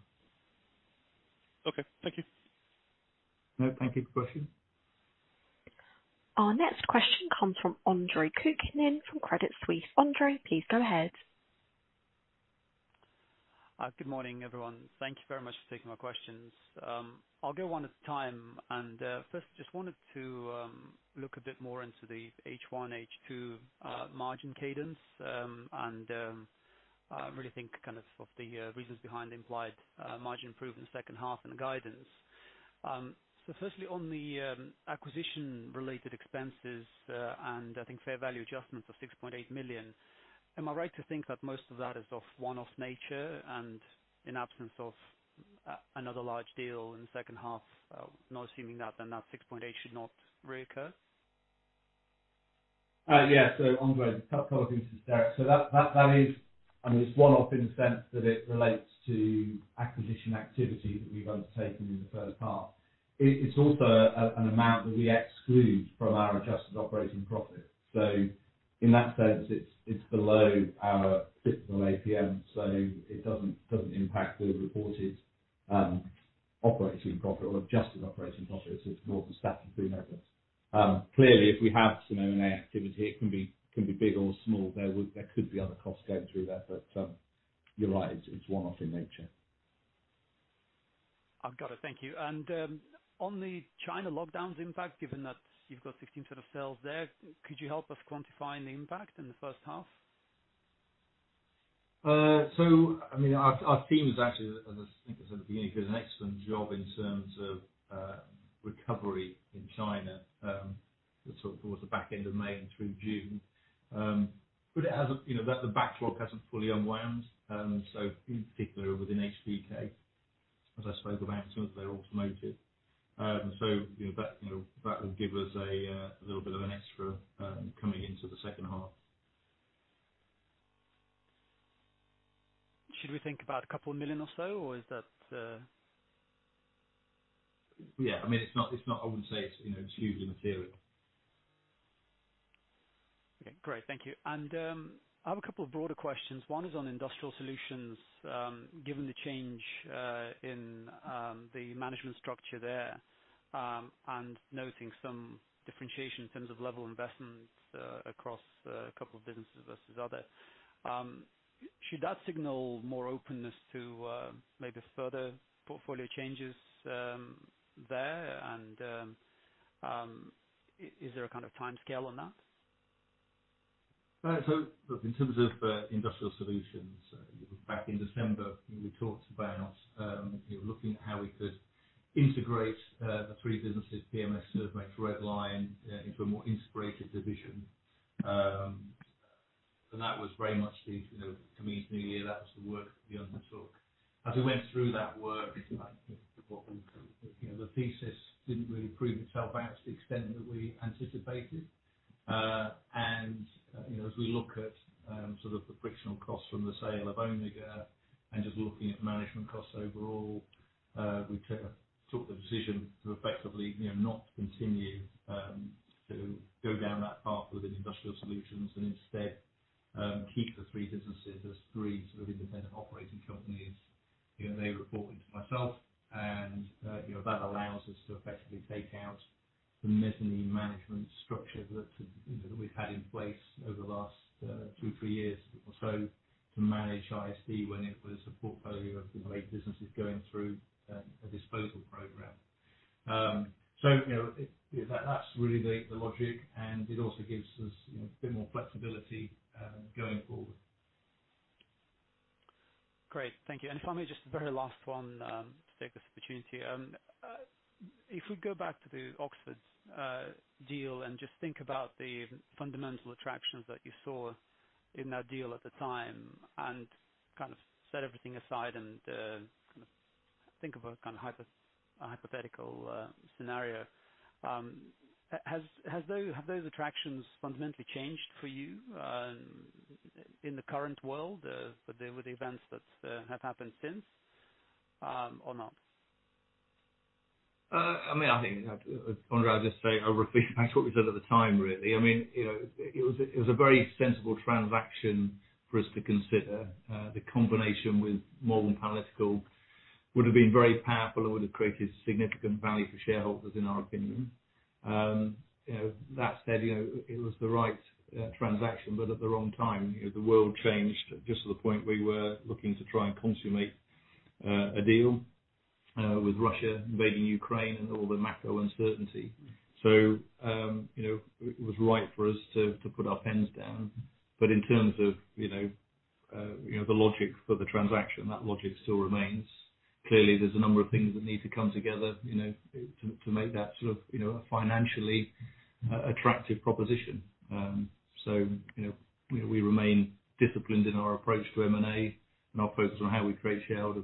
Okay. Thank you. No, thank you for the question. Our next question comes from Andre Kukhnin, from Credit Suisse. Andre, please go ahead. Good morning, everyone. Thank you very much for taking my questions. I'll go one at a time. Firstly, just wanted to look a bit more into the H1, H2 margin cadence, and really think kind of of the reasons behind the implied margin improvement in second half and the guidance. So firstly on the acquisition related expenses, and I think fair value adjustments of 6.8 million, am I right to think that most of that is of one-off nature and in absence of another large deal in the second half, not assuming that then that 6.8 should not reoccur? Yeah. Andre, Yeah. It's Derek. That is, I mean, it's one-off in the sense that it relates to acquisition activity that we've undertaken in the first half. It's also an amount that we exclude from our adjusted operating profit. In that sense, it's below our typical APM, so it doesn't impact the reported operating profit or adjusted operating profit. It's more for statutory measures. Clearly, if we have some M&A activity, it can be big or small. There could be other costs going through there, but you're right, it's one-off in nature. I've got it. Thank you. On the China lockdowns impact, given that you've got 16% of sales there, could you help us quantify an impact in the first half? I mean, our team has actually, as I think I said at the beginning, did an excellent job in terms of recovery in China, sort of towards the back end of May and through June. It hasn't, you know, that's the backlog hasn't fully unwound. In particular within HBK, as I spoke about some of their automotive. You know, that will give us a little bit of an extra coming into the second half. Should we think about 2 million or so, or is that? Yeah, I mean, it's not. I wouldn't say it's, you know, it's hugely material. Okay, great. Thank you. I have a couple of broader questions. One is on Industrial Solutions, given the change in the management structure there, and noting some differentiation in terms of level of investment, across a couple of businesses versus others. Should that signal more openness to maybe further portfolio changes there and is there a kind of timescale on that? Look, in terms of Industrial Solutions, back in December we talked about you know looking at how we could integrate the three businesses, PMS, Servomex, Red Lion into a more integrated division. That was very much the you know coming into the year, that was the work that we undertook. As we went through that work, you know, the thesis didn't really prove itself out to the extent that we anticipated. You know, as we look at sort of the frictional costs from the sale of Omega and just looking at management costs overall, we took the decision to effectively you know not continue to go down that path within Industrial Solutions and instead keep the three businesses as three sort of independent operating companies. You know, they report into myself and, you know, that allows us to effectively take out the matrix-managed structure that, you know, we've had in place over the last two, three years or so to manage ISD when it was a portfolio of the right businesses going through a disposal program. You know, that's really the logic, and it also gives us, you know, a bit more flexibility going forward. Great. Thank you. If I may, just very last one, to take this opportunity. If we go back to the Oxford Instruments deal and just think about the fundamental attractions that you saw in that deal at the time and kind of set everything aside and kind of think of a hypothetical scenario, have those attractions fundamentally changed for you in the current world with the events that have happened since, or not? I mean, I think, Andre, I'd just say I repeat back what we said at the time, really. I mean, you know, it was a very sensible transaction for us to consider. The combination with Malvern Panalytical would have been very powerful and would have created significant value for shareholders, in our opinion. That said, you know, it was the right transaction, but at the wrong time. You know, the world changed just at the point we were looking to try and consummate a deal with Russia invading Ukraine and all the macro uncertainty. You know, it was right for us to put our pens down. In terms of, you know, the logic for the transaction, that logic still remains. Clearly, there's a number of things that need to come together, you know, to make that sort of, you know, a financially attractive proposition. You know, we remain disciplined in our approach to M&A and our focus on how we create shareholder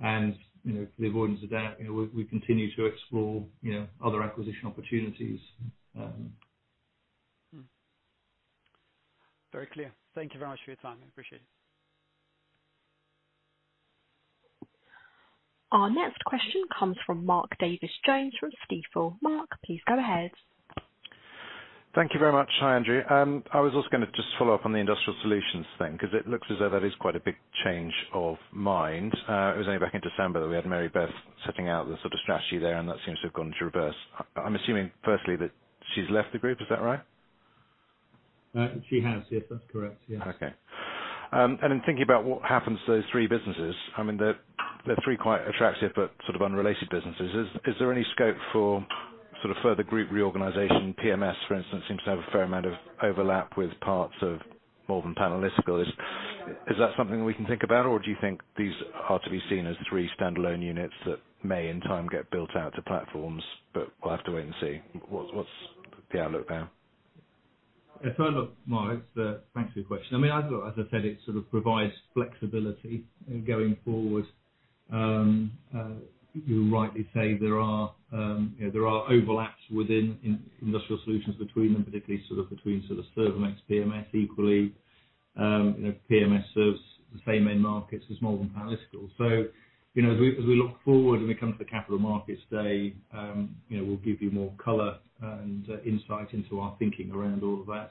value. You know, for the avoidance of doubt, you know, we continue to explore, you know, other acquisition opportunities. Very clear. Thank you very much for your time. I appreciate it. Our next question comes from Mark Davies Jones from Stifel. Mark, please go ahead. Thank you very much. Hi, Andrew. I was also gonna just follow up on the Industrial Solutions thing, 'cause it looks as though that is quite a big change of mind. It was only back in December that we had Mary Beth setting out the sort of strategy there, and that seems to have gone to reverse. I'm assuming firstly that she's left the group, is that right? She has. Yes, that's correct. Yes. Okay. In thinking about what happens to those three businesses, I mean, they're three quite attractive but sort of unrelated businesses. Is there any scope for sort of further group reorganization? PMS, for instance, seems to have a fair amount of overlap with parts of Malvern Panalytical. Is that something we can think about, or do you think these are to be seen as three standalone units that may in time get built out to platforms, but we'll have to wait and see? What's the outlook there? If I look, Mark, thanks for your question. I mean, as I said, it sort of provides flexibility in going forward. You rightly say there are overlaps within Industrial Solutions between them, particularly between Servomex, PMS equally. You know, PMS serves the same end markets as Malvern Panalytical. You know, as we look forward and we come to the capital markets day, you know, we'll give you more color and insight into our thinking around all of that.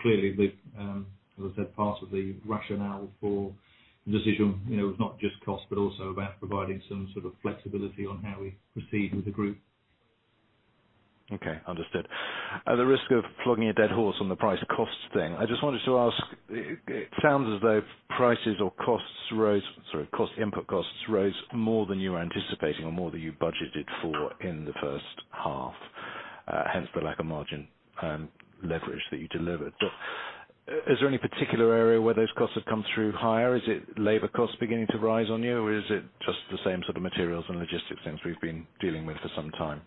Clearly, as I said, part of the rationale for the decision, you know, was not just cost, but also about providing some sort of flexibility on how we proceed with the group. Okay, understood. At the risk of flogging a dead horse on the price costs thing, I just wanted to ask, it sounds as though input costs rose more than you were anticipating or more than you budgeted for in the first half, hence the lack of margin leverage that you delivered. Is there any particular area where those costs have come through higher? Is it labor costs beginning to rise on you, or is it just the same sort of materials and logistics things we've been dealing with for some time?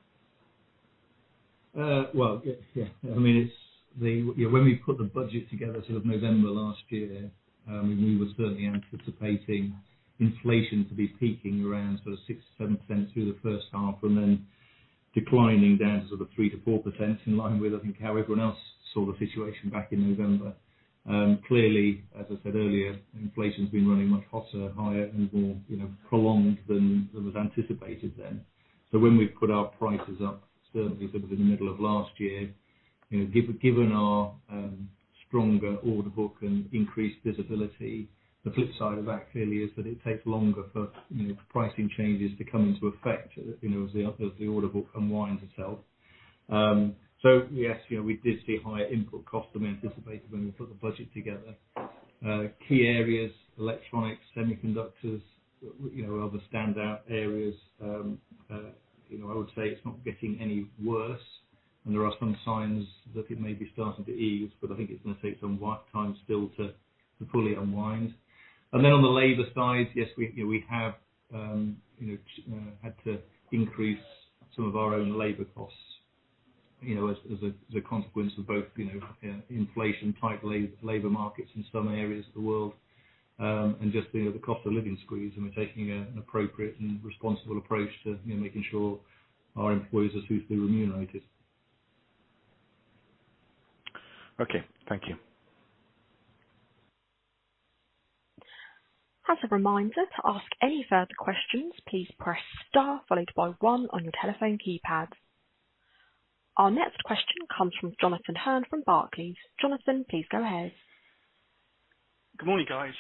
Well, yeah. I mean, it's the. You know, when we put the budget together sort of November last year, we were certainly anticipating inflation to be peaking around sort of 6%-7% through the first half and then declining down to sort of 3%-4% in line with, I think, how everyone else saw the situation back in November. Clearly, as I said earlier, inflation's been running much hotter, higher and more, you know, prolonged than was anticipated then. When we put our prices up, certainly sort of in the middle of last year, you know, given our stronger order book and increased visibility, the flip side of that clearly is that it takes longer for, you know, pricing changes to come into effect, you know, as the order book unwinds itself. Yes, you know, we did see higher input costs than we anticipated when we put the budget together. Key areas, electronics, semiconductors, you know, are the standout areas. You know, I would say it's not getting any worse, and there are some signs that it may be starting to ease, but I think it's gonna take some time still to fully unwind. On the labor side, yes, you know, we have, you know, had to increase some of our own labor costs, you know, as a consequence of both, you know, inflation, tight labor markets in some areas of the world, and just, you know, the cost of living squeeze, and we're taking an appropriate and responsible approach to, you know, making sure our employees are suitably remunerated. Okay. Thank you. As a reminder, to ask any further questions, please press star followed by one on your telephone keypad. Our next question comes from Jonathan Hurn from Barclays. Jonathan, please go ahead. Good morning, guys.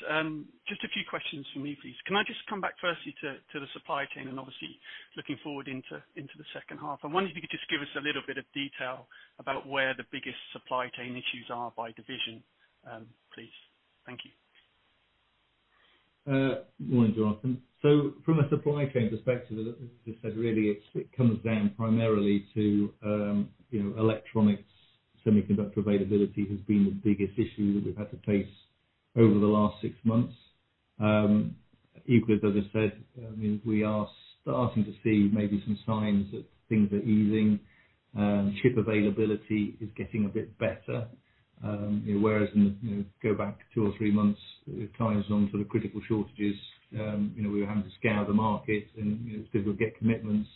Just a few questions from me, please. Can I just come back firstly to the supply chain and obviously looking forward into the second half? I wonder if you could just give us a little bit of detail about where the biggest supply chain issues are by division, please. Thank you. Good morning, Jonathan. From a supply chain perspective, as I just said, really it comes down primarily to you know, electronics. Semiconductor availability has been the biggest issue that we've had to face over the last six months. Equally, as I said, I mean, we are starting to see maybe some signs that things are easing. Chip availability is getting a bit better. You know, whereas in, you know, go back two or three months, at times on sort of critical shortages, you know, we were having to scour the market and, you know, struggle to get commitments.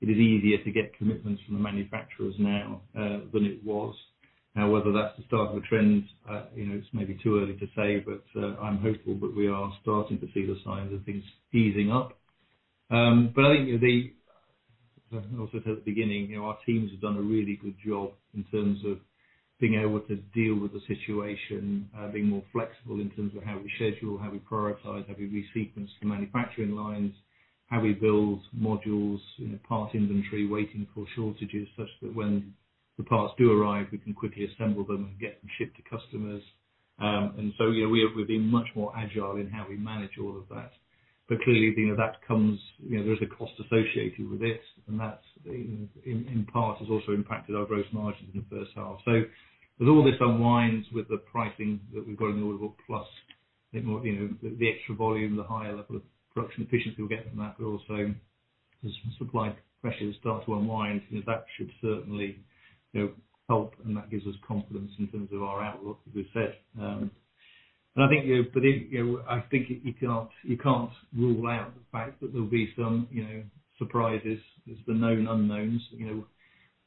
It is easier to get commitments from the manufacturers now, than it was. Now, whether that's the start of a trend, you know, it's maybe too early to say, but I'm hopeful that we are starting to see the signs of things easing up. Also at the beginning, you know, our teams have done a really good job in terms of being able to deal with the situation, being more flexible in terms of how we schedule, how we prioritize, how we resequence the manufacturing lines, how we build modules, you know, part inventory, waiting for shortages, such that when the parts do arrive, we can quickly assemble them and get them shipped to customers. Yeah, we have been much more agile in how we manage all of that. Clearly, you know, that comes, you know, there is a cost associated with it, and that's, in part, has also impacted our gross margins in the first half. As all this unwinds with the pricing that we've got in the order book, plus, you know, you know, the extra volume, the higher level of production efficiency we'll get from that, but also as supply pressures start to unwind, you know, that should certainly, you know, help, and that gives us confidence in terms of our outlook, as we've said. I think, you know, but it, you know, I think you can't rule out the fact that there'll be some, you know, surprises. There's the known unknowns. You know,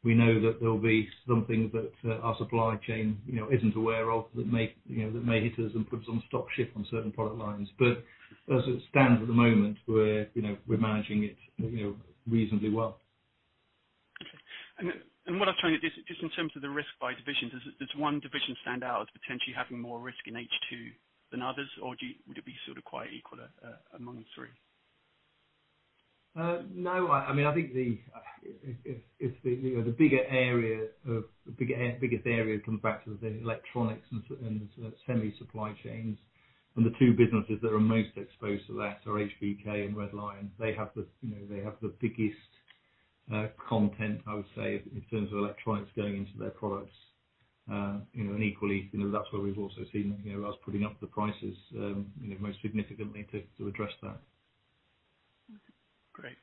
we know that there'll be some things that our supply chain, you know, isn't aware of that may hit us and put us on stop ship on certain product lines. But as it stands at the moment, we're managing it, you know, reasonably well. Okay. Just in terms of the risk by divisions, does one division stand out as potentially having more risk in H2 than others, or would it be sort of quite equal among the three? No. I mean, I think the bigger area comes back to the electronics and semi supply chains. The two businesses that are most exposed to that are HBK and Red Lion. They have, you know, the biggest content, I would say, in terms of electronics going into their products. You know, and equally, you know, that's where we've also seen, you know, us putting up the prices most significantly to address that. Great.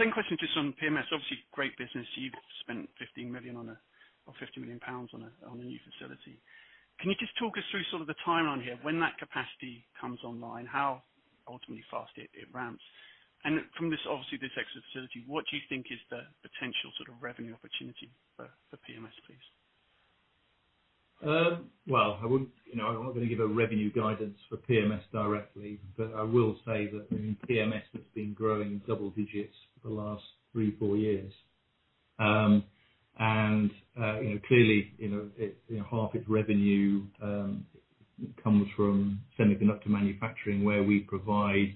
Same question just on PMS. Obviously, great business. You've spent 15 million or 50 million pounds on a new facility. Can you just talk us through sort of the timeline here? When that capacity comes online, how ultimately fast it ramps? From this, obviously, this extra facility, what do you think is the potential sort of revenue opportunity for PMS, please? Well, I wouldn't. You know, I'm not gonna give a revenue guidance for PMS directly, but I will say that. I mean, PMS has been growing double digits for the last three to four years. You know, clearly, half its revenue comes from semiconductor manufacturing, where we provide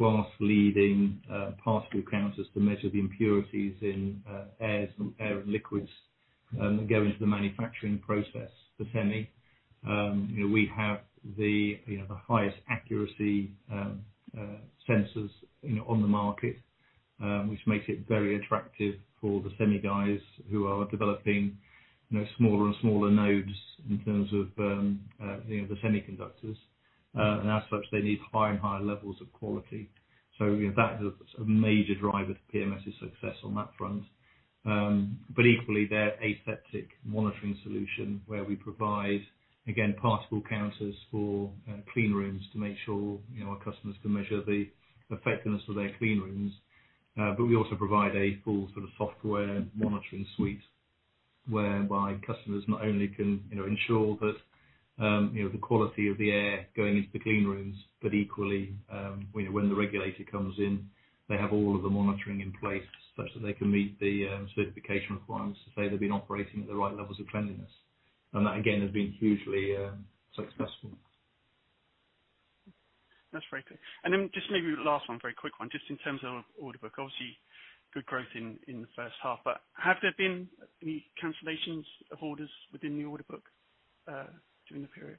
class-leading particle counters to measure the impurities in air and liquids that go into the manufacturing process for semi. You know, we have the highest accuracy sensors on the market, which makes it very attractive for the semi guys who are developing smaller and smaller nodes in terms of the semiconductors. As such, they need higher and higher levels of quality. You know, that is a major driver for PMS's success on that front. But equally, their aseptic monitoring solution, where we provide, again, particle counters for clean rooms to make sure, you know, our customers can measure the effectiveness of their clean rooms. We also provide a full sort of software monitoring suite, whereby customers not only can, you know, ensure that, you know, the quality of the air going into the clean rooms, but equally, you know, when the regulator comes in, they have all of the monitoring in place such that they can meet the specification requirements to say they've been operating at the right levels of cleanliness. That, again, has been hugely successful. That's very clear. Just maybe last one, very quick one. Just in terms of order book, obviously good growth in the first half, but have there been any cancellations of orders within the order book during the period?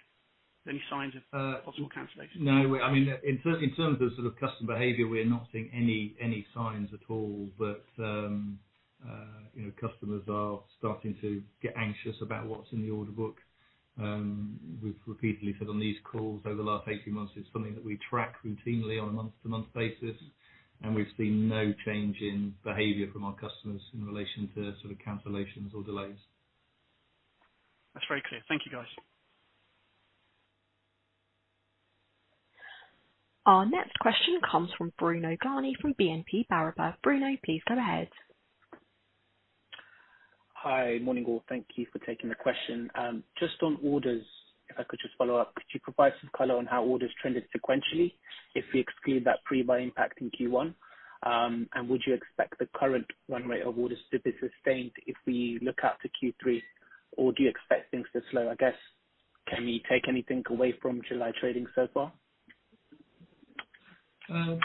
Any signs of. Uh- Possible cancellations? No, I mean, in terms of sort of customer behavior, we're not seeing any signs at all that, you know, customers are starting to get anxious about what's in the order book. We've repeatedly said on these calls over the last 18 months, it's something that we track routinely on a month-to-month basis, and we've seen no change in behavior from our customers in relation to sort of cancellations or delays. That's very clear. Thank you, guys. Our next question comes from Bruno Gjani from BNP Paribas. Bruno, please go ahead. Hi. Morning, all. Thank you for taking the question. Just on orders, if I could just follow up. Could you provide some color on how orders trended sequentially if we exclude that pre-buy impact in Q1? Would you expect the current run rate of orders to be sustained if we look out to Q3? Or do you expect things to slow? I guess, can we take anything away from July trading so far? Yeah.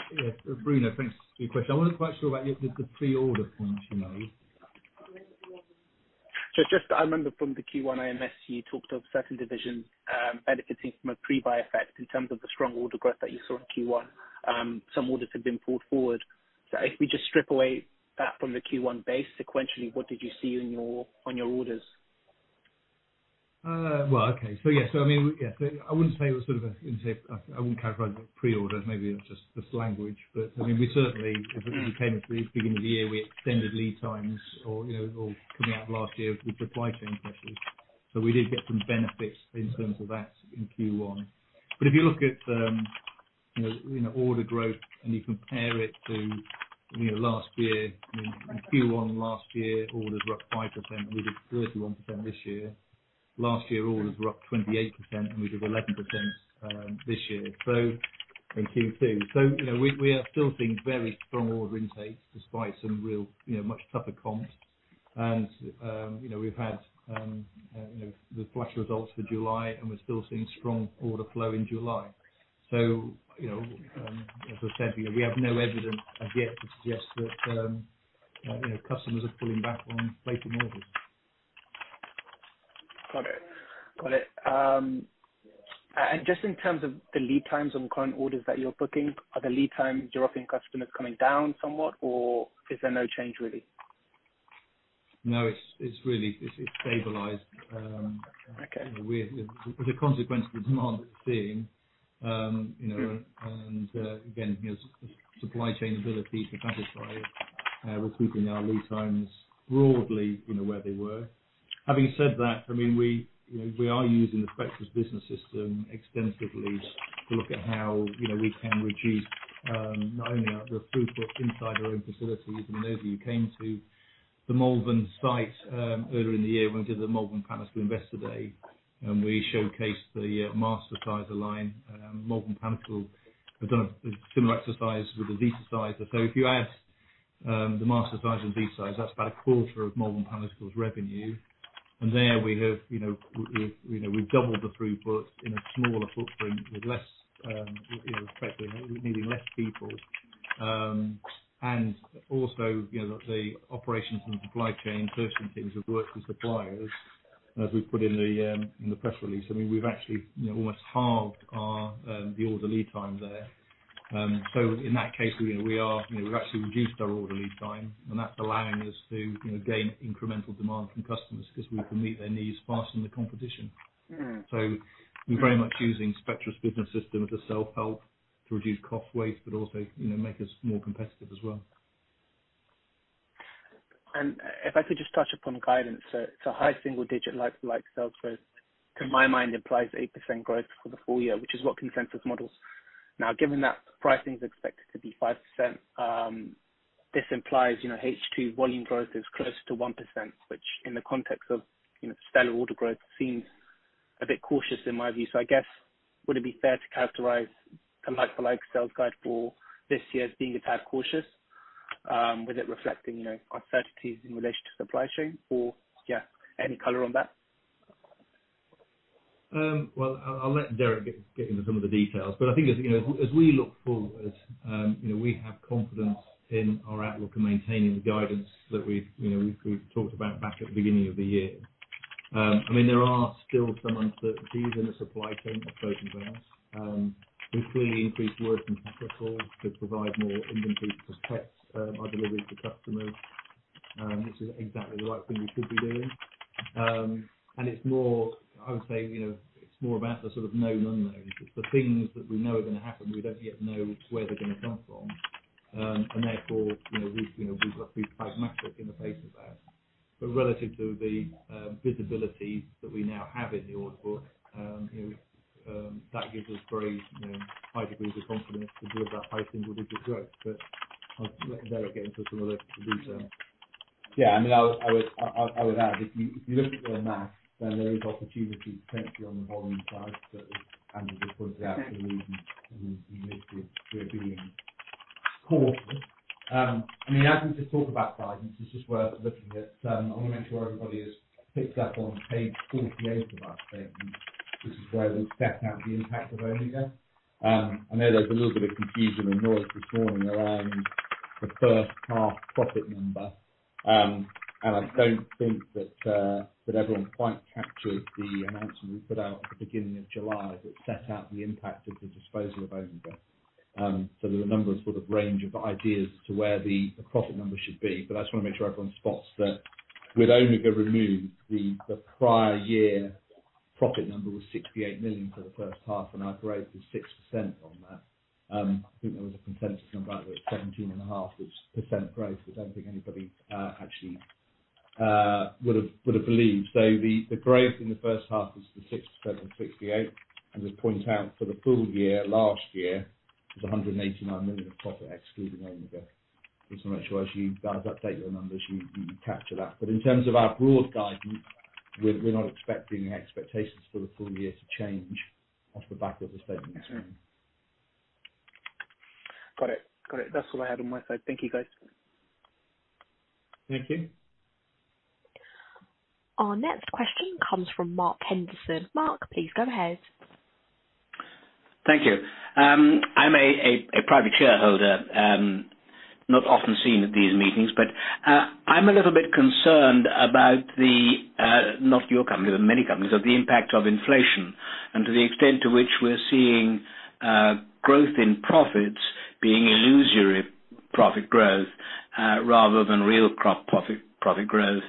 Bruno, thanks for your question. I wanna be quite sure about the pre-order point you made. I just remember from the Q1 IMS call, you talked of certain divisions benefiting from a pre-buy effect in terms of the strong order growth that you saw in Q1. Some orders had been pulled forward. If we just strip away that from the Q1 base sequentially, what did you see in your orders? Well, okay. Yes, I mean, yeah. I wouldn't characterize it as pre-order. Maybe that's just language. I mean, we certainly- Mm-hmm. If you came to the beginning of the year, we had extended lead times or, you know, or coming out of last year with the supply chain pressures. We did get some benefits in terms of that in Q1. If you look at, you know, you know, order growth and you compare it to, you know, last year, I mean, in Q1 last year, orders were up 5%. We did 31% this year. Last year, orders were up 28%, and we did 11% this year. In Q2. You know, we are still seeing very strong order intakes despite some real, you know, much tougher comps. You know, we've had, you know, the flash results for July, and we're still seeing strong order flow in July. You know, as I said, you know, we have no evidence as yet to suggest that, you know, customers are pulling back on placing orders. Got it. Just in terms of the lead times on current orders that you're booking, are the lead times European customers coming down somewhat, or is there no change really? No, it's really stabilized. Okay. With the consequence of the demand that we're seeing, you know. Sure. Again, you know, supply chain ability to satisfy, we're keeping our lead times broadly, you know, where they were. Having said that, I mean, we are using the Spectris Business System extensively to look at how, you know, we can reduce not only our throughput inside our own facilities. I mean, those of you who came to the Malvern Panalytical site earlier in the year when we did the Malvern Panalytical Investor Day, and we showcased the Mastersizer line. Malvern Panalytical have done a similar exercise with the Zetasizer. So if you add the Mastersizer and Zetasizer, that's about a quarter of Malvern Panalytical revenue. There we have, you know, we've doubled the throughput in a smaller footprint with less, you know, effectively needing less people. You know, the operations and supply chain personnel have worked with suppliers as we put in the press release. I mean, we've actually, you know, almost halved our order lead time there. In that case, you know, we've actually reduced our order lead time, and that's allowing us to, you know, gain incremental demand from customers because we can meet their needs faster than the competition. Mm. We're very much using Spectris Business System as a self-help to reduce cost waste, but also, you know, make us more competitive as well. If I could just touch upon guidance. It's a high single digit like sales growth, to my mind implies 8% growth for the full year, which is what consensus models. Now, given that pricing is expected to be 5%, this implies, you know, H2 volume growth is closer to 1%, which in the context of, you know, stellar order growth seems a bit cautious in my view. I guess, would it be fair to characterize the like-for-like sales guide for this year as being a tad cautious, with it reflecting, you know, uncertainties in relation to supply chain. Yeah, any color on that? Well, I'll let Derek get into some of the details, but I think as you know, as we look forward, you know, we have confidence in our outlook in maintaining the guidance that we've talked about back at the beginning of the year. I mean, there are still some uncertainties in the supply chain, I suppose there are. We've clearly increased working capital to provide more inventory to protect our deliveries to customers, which is exactly the right thing we should be doing. It's more, I would say, you know, it's more about the sort of known unknowns. It's the things that we know are gonna happen, we don't yet know where they're gonna come from. Therefore, you know, we, you know, we've got to be pragmatic in the face of that. Relative to the visibility that we now have in the order book, you know, that gives us very, you know, high degrees of confidence to deliver that high single-digit growth. I'll let Derek get into some of the details. Yeah. I mean, I would add, if you look at the math, then there is opportunity potentially on the volume side that Andrew just pointed out, the reasons we listed, we're being cautious. I mean, as we just talk about guidance, it's just worth looking at, I wanna make sure everybody has picked up on Page 48 of our statement. This is where we set out the impact of Omega. I know there's a little bit of confusion and noise this morning around the first half profit number. I don't think that everyone quite captured the announcement we put out at the beginning of July that set out the impact of the disposal of Omega. There's a number of sort of range of ideas to where the profit number should be, but I just wanna make sure everyone spots that. With Omega removed, the prior year profit number was 68 million for the first half, and our growth was 6% on that. I think there was a consensus number about 17.5% growth, which I don't think anybody actually would've believed. The growth in the first half was the 6% and 68. We point out for the full year, last year, it was 189 million of profit excluding Omega. I just wanna make sure as you guys update your numbers, you capture that. In terms of our broad guidance, we're not expecting expectations for the full year to change off the back of the statement this morning. Got it. Got it. That's all I had on my side. Thank you, guys. Thank you. Our next question comes from Mark Henderson. Mark, please go ahead. Thank you. I'm a private shareholder, not often seen at these meetings, but I'm a little bit concerned about the, not your company, but many companies, of the impact of inflation, and to the extent to which we're seeing growth in profits being illusory profit growth, rather than real profit growth.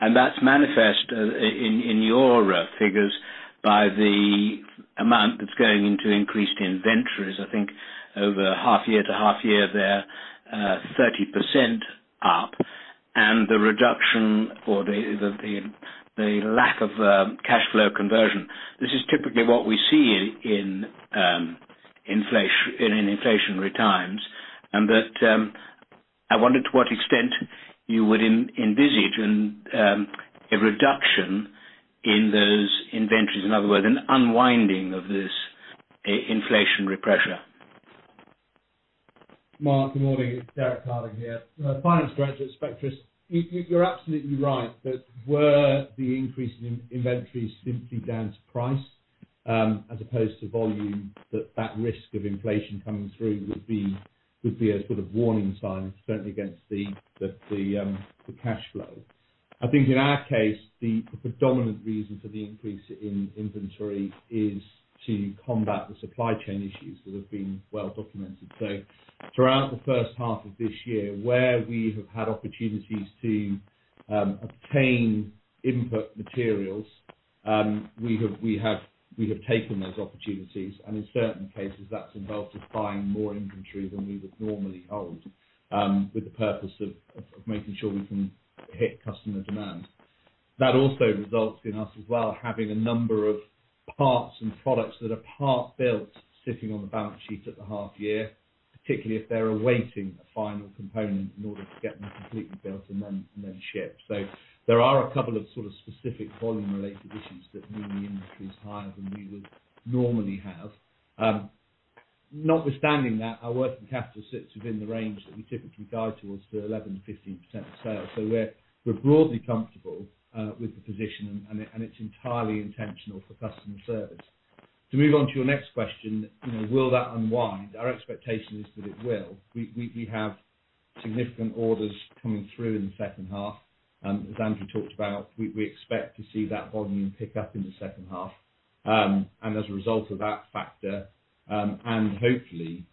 That's manifest in your figures by the amount that's going into increased inventories. I think over half year to half year they're 30% up and the reduction or the lack of cash flow conversion. This is typically what we see in inflationary times, and I wonder to what extent you would envisage a reduction in those inventories, in other words, an unwinding of this inflationary pressure. Mark, good morning. It's Derek Harding here, Finance Director at Spectris. You're absolutely right that if the increase in inventories simply down to price, as opposed to volume, that risk of inflation coming through would be a sort of warning sign certainly against the cash flow. I think in our case, the predominant reason for the increase in inventory is to combat the supply chain issues that have been well documented. Throughout the first half of this year where we have had opportunities to obtain input materials, we have taken those opportunities, and in certain cases that's involved us buying more inventory than we would normally hold, with the purpose of making sure we can hit customer demand. That also results in us as well having a number of parts and products that are part-built sitting on the balance sheet at the half year, particularly if they're awaiting a final component in order to get them. Completely built and then shipped. There are a couple of sort of specific volume related issues that mean the industry is higher than we would normally have. Notwithstanding that, our working capital sits within the range that we typically guide towards to 11%-15% of sales. We're broadly comfortable with the position, and it's entirely intentional for customer service. To move on to your next question, you know, will that unwind? Our expectation is that it will. We have significant orders coming through in the second half. As Andrew talked about, we expect to see that volume pick up in the second half. And as a result of that factor, and hopefully,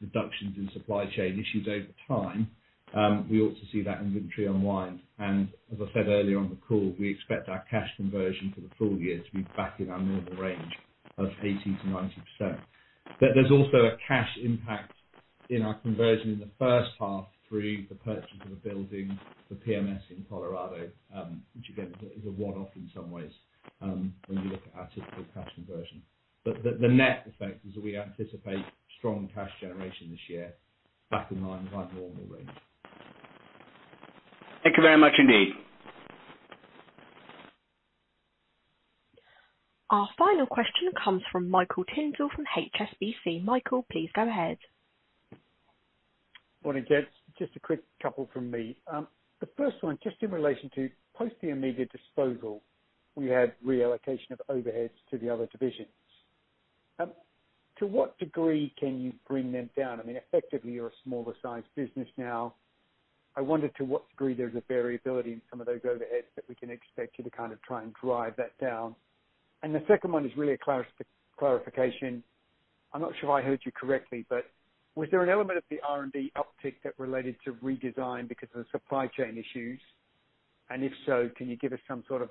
reductions in supply chain issues over time, we ought to see that inventory unwind. As I said earlier on the call, we expect our cash conversion for the full year to be back in our normal range of 80%-90%. There's also a cash impact in our conversion in the first half through the purchase of a building for PMS in Colorado, which again is a one-off in some ways, when you look at our typical cash conversion. The net effect is that we anticipate strong cash generation this year back in line with our normal range. Thank you very much indeed. Our final question comes from Michael Tyndall from HSBC. Michael, please go ahead. Morning, gents. Just a quick couple from me. The first one, just in relation to post the immediate disposal, we had reallocation of overheads to the other divisions. To what degree can you bring them down? I mean, effectively, you're a smaller sized business now. I wonder to what degree there's a variability in some of those overheads that we can expect you to kind of try and drive that down. The second one is really a clarification. I'm not sure if I heard you correctly, but was there an element of the R&D uptick that related to redesign because of the supply chain issues? If so, can you give us some sort of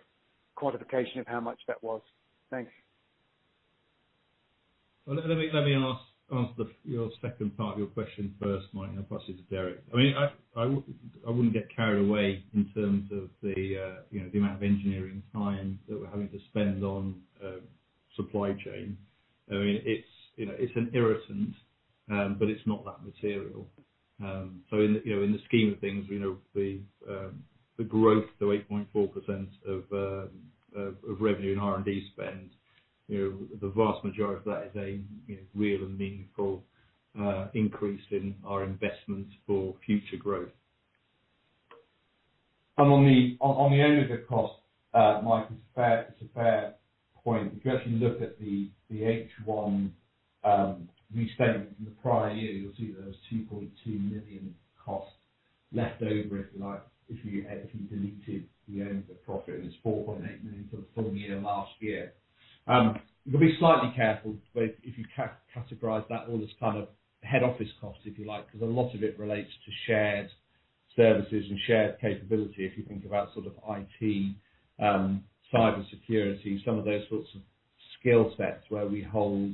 quantification of how much that was? Thanks. Well, let me address your second part of your question first, Mike, and I'll pass it to Derek. I mean, I wouldn't get carried away in terms of the, you know, the amount of engineering time that we're having to spend on supply chain. I mean, it's, you know, it's an irritant, but it's not that material. In, you know, in the scheme of things, you know, the growth to 8.4% of revenue in R&D spend, you know, the vast majority of that is a, you know, real and meaningful increase in our investments for future growth. On the overhead cost, Mike, it's a fair point. If you actually look at the H1, we spent in the prior year, you'll see that there was 2.2 million cost left over, if you like, if you deleted the overhead profit, it was 4.8 million for the full year last year. You've got to be slightly careful where if you categorize that all as kind of head office costs, if you like, because a lot of it relates to shared services and shared capability. If you think about sort of IT, cyber security, some of those sorts of skill sets where we hold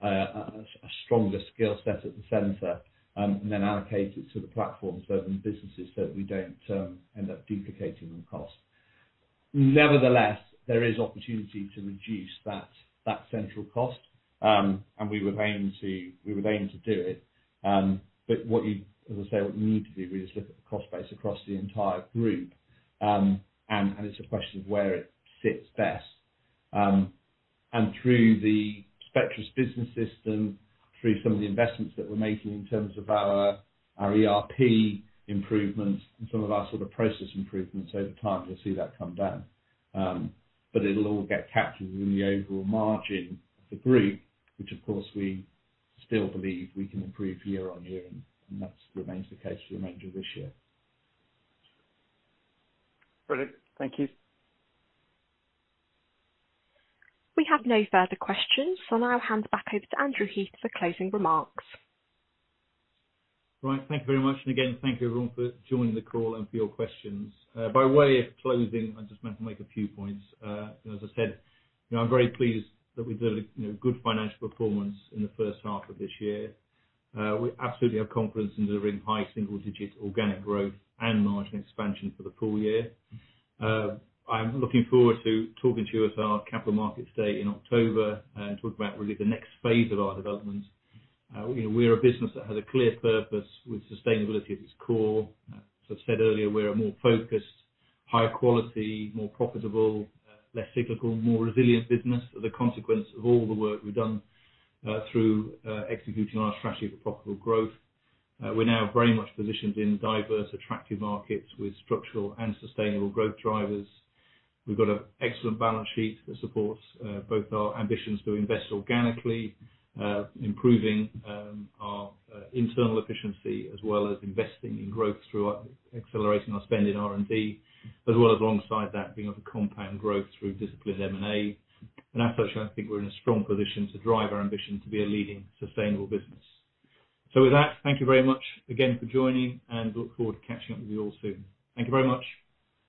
a stronger skill set at the center, and then allocate it to the platforms for other businesses, so we don't end up duplicating the cost. Nevertheless, there is opportunity to reduce that central cost. We would aim to do it. But what you'd, as I say, what you need to do is look at the cost base across the entire group, and it's a question of where it fits best. Through the Spectris Business System, through some of the investments that we're making in terms of our ERP improvements and some of our sort of process improvements over time, you'll see that come down. It'll all get captured in the overall margin of the group, which of course we still believe we can improve year on year, and that remains the case for the remainder of this year. Brilliant. Thank you. We have no further questions. I'll now hand back over to Andrew Heath for closing remarks. Right. Thank you very much. Again, thank you everyone for joining the call and for your questions. By way of closing, I just meant to make a few points. As I said, you know, I'm very pleased that we delivered, you know, good financial performance in the first half of this year. We absolutely have confidence in delivering high single digit organic growth and margin expansion for the full year. I'm looking forward to talking to you at our Capital Markets Day in October and talk about really the next phase of our development. You know, we're a business that has a clear purpose with sustainability at its core. As I said earlier, we're a more focused, higher quality, more profitable, less cyclical, more resilient business as a consequence of all the work we've done through executing our strategy for profitable growth. We're now very much positioned in diverse, attractive markets with structural and sustainable growth drivers. We've got an excellent balance sheet that supports both our ambitions to invest organically, improving our internal efficiency, as well as investing in growth through accelerating our spend in R&D, as well as alongside that being able to compound growth through disciplined M&A. As such, I think we're in a strong position to drive our ambition to be a leading sustainable business. With that, thank you very much again for joining, and look forward to catching up with you all soon. Thank you very much.